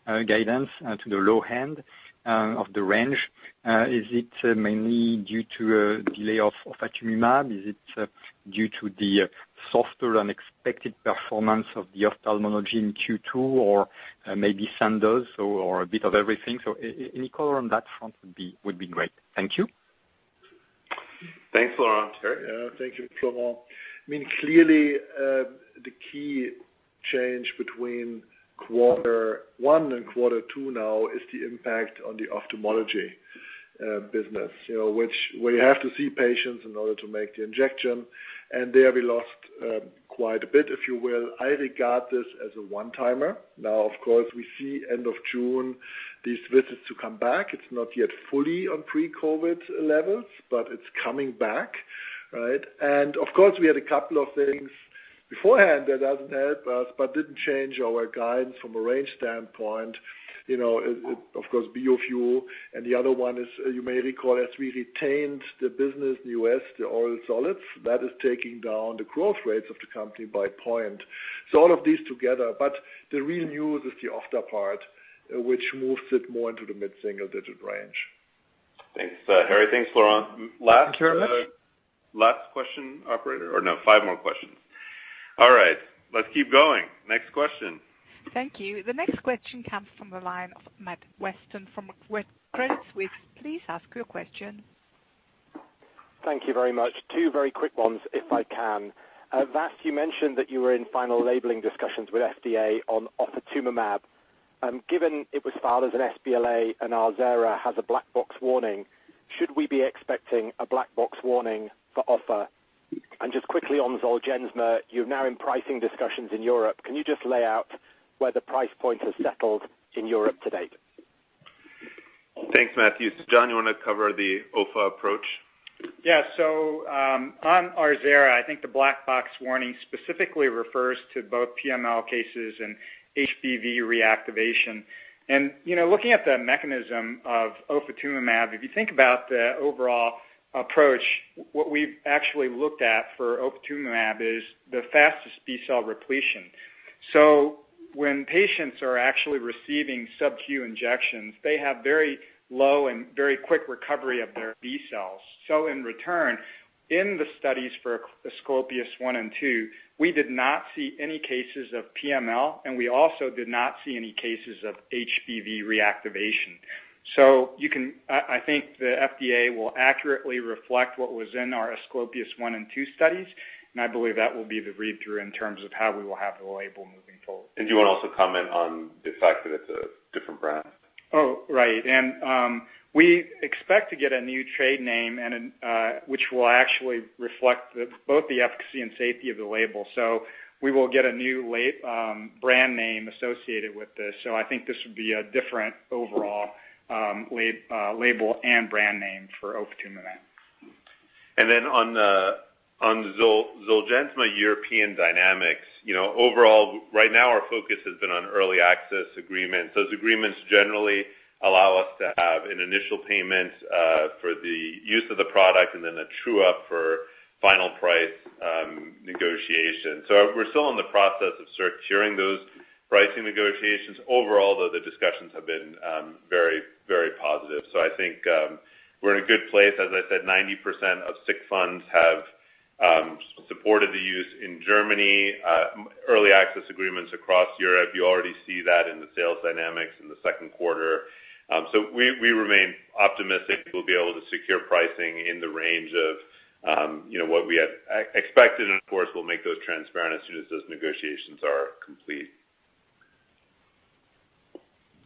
guidance to the low end of the range? Is it mainly due to a delay of ofatumumab? Is it due to the softer than expected performance of the ophthalmology in Q2, or maybe Sandoz, or a bit of everything? Any color on that front would be great. Thank you. Thanks, Florent. Harry? Thank you, Florent. Clearly, the key change between quarter one and quarter two now is the impact on the ophthalmology business, which we have to see patients in order to make the injection, and there we lost quite a bit, if you will. I regard this as a one-timer. Now, of course, we see end of June these visits to come back. It's not yet fully on pre-COVID levels, but it's coming back. Right? Of course, we had a couple of things beforehand that doesn't help us, but didn't change our guidance from a range standpoint. Of course, Beovu, and the other one is, you may recall, as we retained the business in the U.S., the oral solids, that is taking down the growth rates of the company by point. All of these together. The real news is the ofatumumab part, which moves it more into the mid-single-digit range. Thanks, Harry. Thanks, Florent. Thank you very much. last question, operator, or no, five more questions. All right. Let's keep going. Next question. Thank you. The next question comes from the line of Matthew Weston from Credit Suisse. Please ask your question. Thank you very much. Two very quick ones, if I can. Vas, you mentioned that you were in final labeling discussions with FDA on ofatumumab. Given it was filed as an sBLA and Arzerra has a black box warning, should we be expecting a black box warning for ofa? Just quickly on Zolgensma, you're now in pricing discussions in Europe. Can you just lay out where the price points have settled in Europe to date? Thanks, Matthew. John, you want to cover the ofa approach? On Arzerra, I think the black box warning specifically refers to both PML cases and HBV reactivation. Looking at the mechanism of ofatumumab, if you think about the overall approach, what we've actually looked at for ofatumumab is the fastest B-cell repletion. When patients are actually receiving subQ injections, they have very low and very quick recovery of their B cells. In return, in the studies for ASCLEPIOS I and II, we did not see any cases of PML, and we also did not see any cases of HBV reactivation. I think the FDA will accurately reflect what was in our ASCLEPIOS I and II studies, and I believe that will be the read-through in terms of how we will have the label moving forward. Do you want to also comment on the fact that it's a different brand? Oh, right. We expect to get a new trade name which will actually reflect both the efficacy and safety of the label. We will get a new brand name associated with this. I think this would be a different overall label and brand name for ofatumumab. On the Zolgensma European dynamics, overall right now our focus has been on early access agreements. Those agreements generally allow us to have an initial payment for the use of the product and then a true-up for final price negotiation. We're still in the process of securing those pricing negotiations. Overall, though, the discussions have been very positive. I think we're in a good place. As I said, 90% of sick funds have supported the use in Germany. Early access agreements across Europe, you already see that in the sales dynamics in the second quarter. We remain optimistic we'll be able to secure pricing in the range of what we had expected. Of course, we'll make those transparent as soon as those negotiations are complete.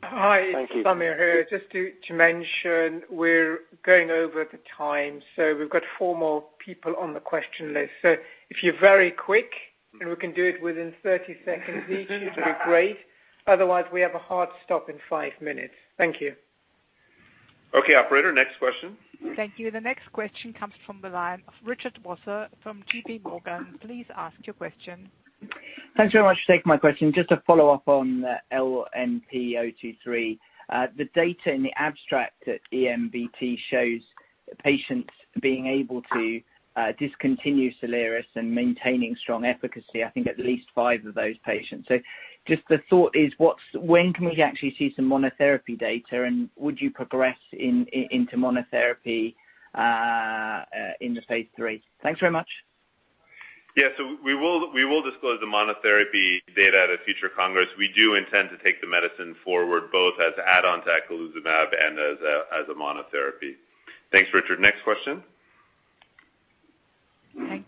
Thank you. Hi, it's Samir here. Just to mention, we're going over the time. We've got four more people on the question list. If you're very quick and we can do it within 30 seconds each, that'd be great. Otherwise, we have a hard stop in five minutes. Thank you. Okay, operator, next question. Thank you. The next question comes from the line of Richard Vosser from JPMorgan. Please ask your question. Thanks very much for taking my question. Just to follow up on LNP023. The data in the abstract at EBMT shows patients being able to discontinue SOLIRIS and maintaining strong efficacy, I think at least five of those patients. Just the thought is when can we actually see some monotherapy data, and would you progress into monotherapy in the phase III? Thanks very much. Yeah. We will disclose the monotherapy data at a future congress. We do intend to take the medicine forward, both as add-on to eculizumab and as a monotherapy. Thanks, Richard. Next question. Thank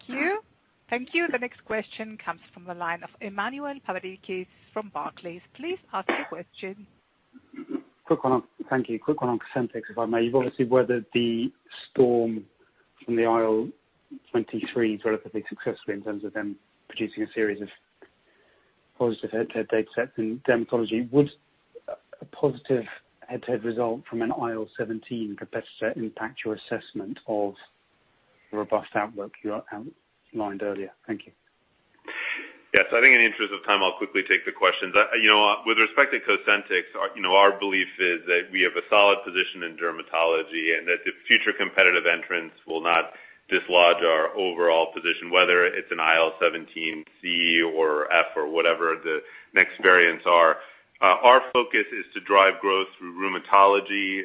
you. The next question comes from the line of Emmanuel Papadakis from Barclays. Please ask your question. Thank you. Quick one on COSENTYX, if I may. You've obviously weathered the storm from the IL-23s relatively successfully in terms of them producing a series of positive head-to-head datasets in dermatology. Would a positive head-to-head result from an IL-17 competitor impact your assessment of the robust outlook you outlined earlier? Thank you. Yes. I think in the interest of time, I'll quickly take the question. With respect to Cosentyx, our belief is that we have a solid position in dermatology and that the future competitive entrants will not dislodge our overall position, whether it's an IL-17A or F or whatever the next variants are. Our focus is to drive growth through rheumatology,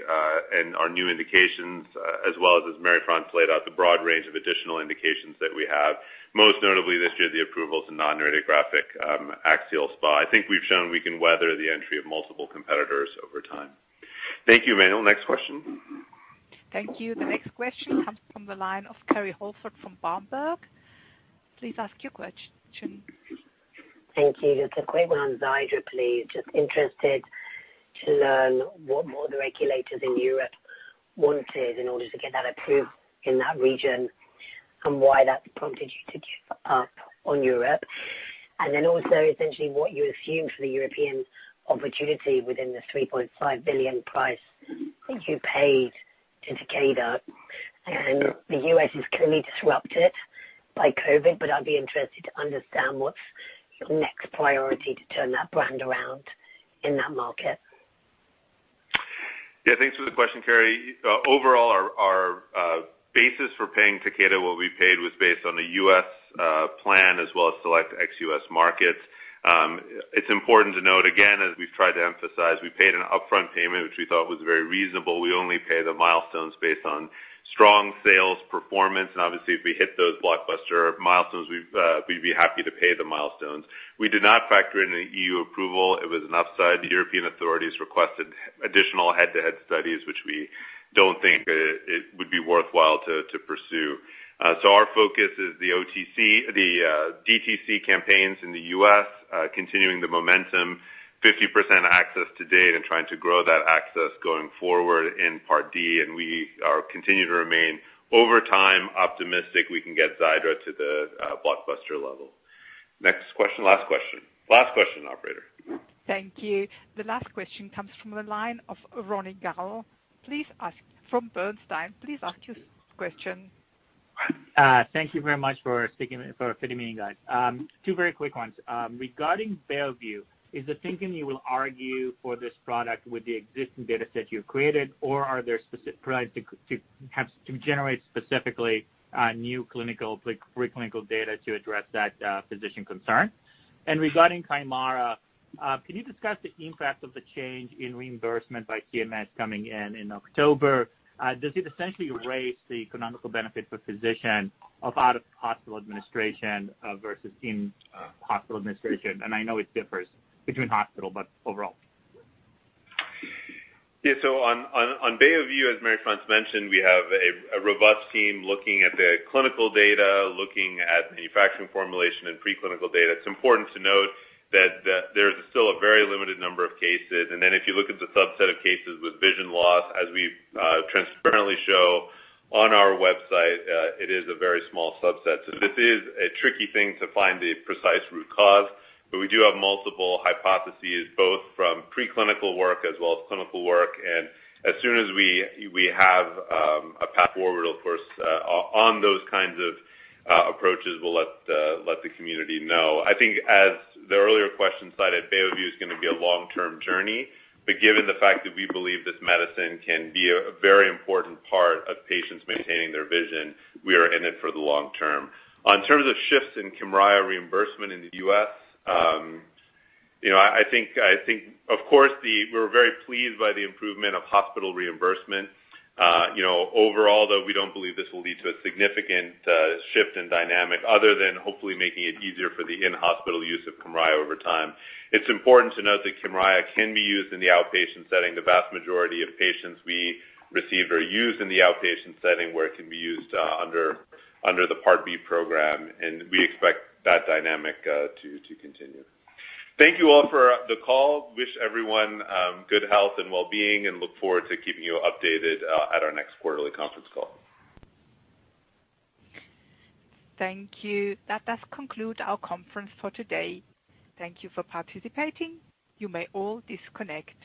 and our new indications, as well as Marie-France laid out, the broad range of additional indications that we have, most notably this year, the approvals in non-radiographic axial SpA. I think we've shown we can weather the entry of multiple competitors over time. Thank you, Emmanuel. Next question. Thank you. The next question comes from the line of Kerry Holford from Berenberg. Please ask your question. Thank you. Just a quick one on Xiidra, please. Interested to learn what more the regulators in Europe wanted in order to get that approved in that region, why that prompted you to give up on Europe. Also, essentially what you assumed for the European opportunity within the $3.5 billion price that you paid to Takeda. The U.S. is clearly disrupted by COVID, I'd be interested to understand what's your next priority to turn that brand around in that market. Thanks for the question, Kerry. Overall, our basis for paying Takeda what we paid was based on the U.S. plan as well as select ex-U.S. markets. It's important to note, again, as we've tried to emphasize, we paid an upfront payment, which we thought was very reasonable. We only pay the milestones based on strong sales performance. Obviously, if we hit those blockbuster milestones, we'd be happy to pay the milestones. We did not factor in an EU approval. It was an upside. The European authorities requested additional head-to-head studies, which we don't think would be worthwhile to pursue. Our focus is the DTC campaigns in the U.S., continuing the momentum, 50% access to date, and trying to grow that access going forward in Part D. We continue to remain, over time, optimistic we can get Xiidra to the blockbuster level. Next question. Last question. Last question, operator. Thank you. The last question comes from the line of Ronny Gal from Bernstein. Please ask your question. Thank you very much for fitting me in, guys. Two very quick ones. Regarding Beovu, is the thinking you will argue for this product with the existing data set you've created, or are there plans to generate specifically new preclinical data to address that physician concern? Regarding Kymriah, can you discuss the impact of the change in reimbursement by CMS coming in in October? Does it essentially erase the economical benefit for physician of out-of-hospital administration versus in-hospital administration? I know it differs between hospital, but overall. Yeah. On Beovu, as Marie-France mentioned, we have a robust team looking at the clinical data, looking at manufacturing formulation and preclinical data. It's important to note that there's still a very limited number of cases. If you look at the subset of cases with vision loss, as we transparently show on our website, it is a very small subset. This is a tricky thing to find the precise root cause. We do have multiple hypotheses, both from preclinical work as well as clinical work. As soon as we have a path forward, of course, on those kinds of approaches, we'll let the community know. I think as the earlier question cited, Beovu is going to be a long-term journey. Given the fact that we believe this medicine can be a very important part of patients maintaining their vision, we are in it for the long term. On terms of shifts in Kymriah reimbursement in the U.S., I think, of course, we're very pleased by the improvement of hospital reimbursement. Overall, though, we don't believe this will lead to a significant shift in dynamic other than hopefully making it easier for the in-hospital use of Kymriah over time. It's important to note that Kymriah can be used in the outpatient setting. The vast majority of patients we receive are used in the outpatient setting where it can be used under the Part B program, and we expect that dynamic to continue. Thank you all for the call. Wish everyone good health and wellbeing, and look forward to keeping you updated at our next quarterly conference call. Thank you. That does conclude our conference for today. Thank you for participating. You may all disconnect.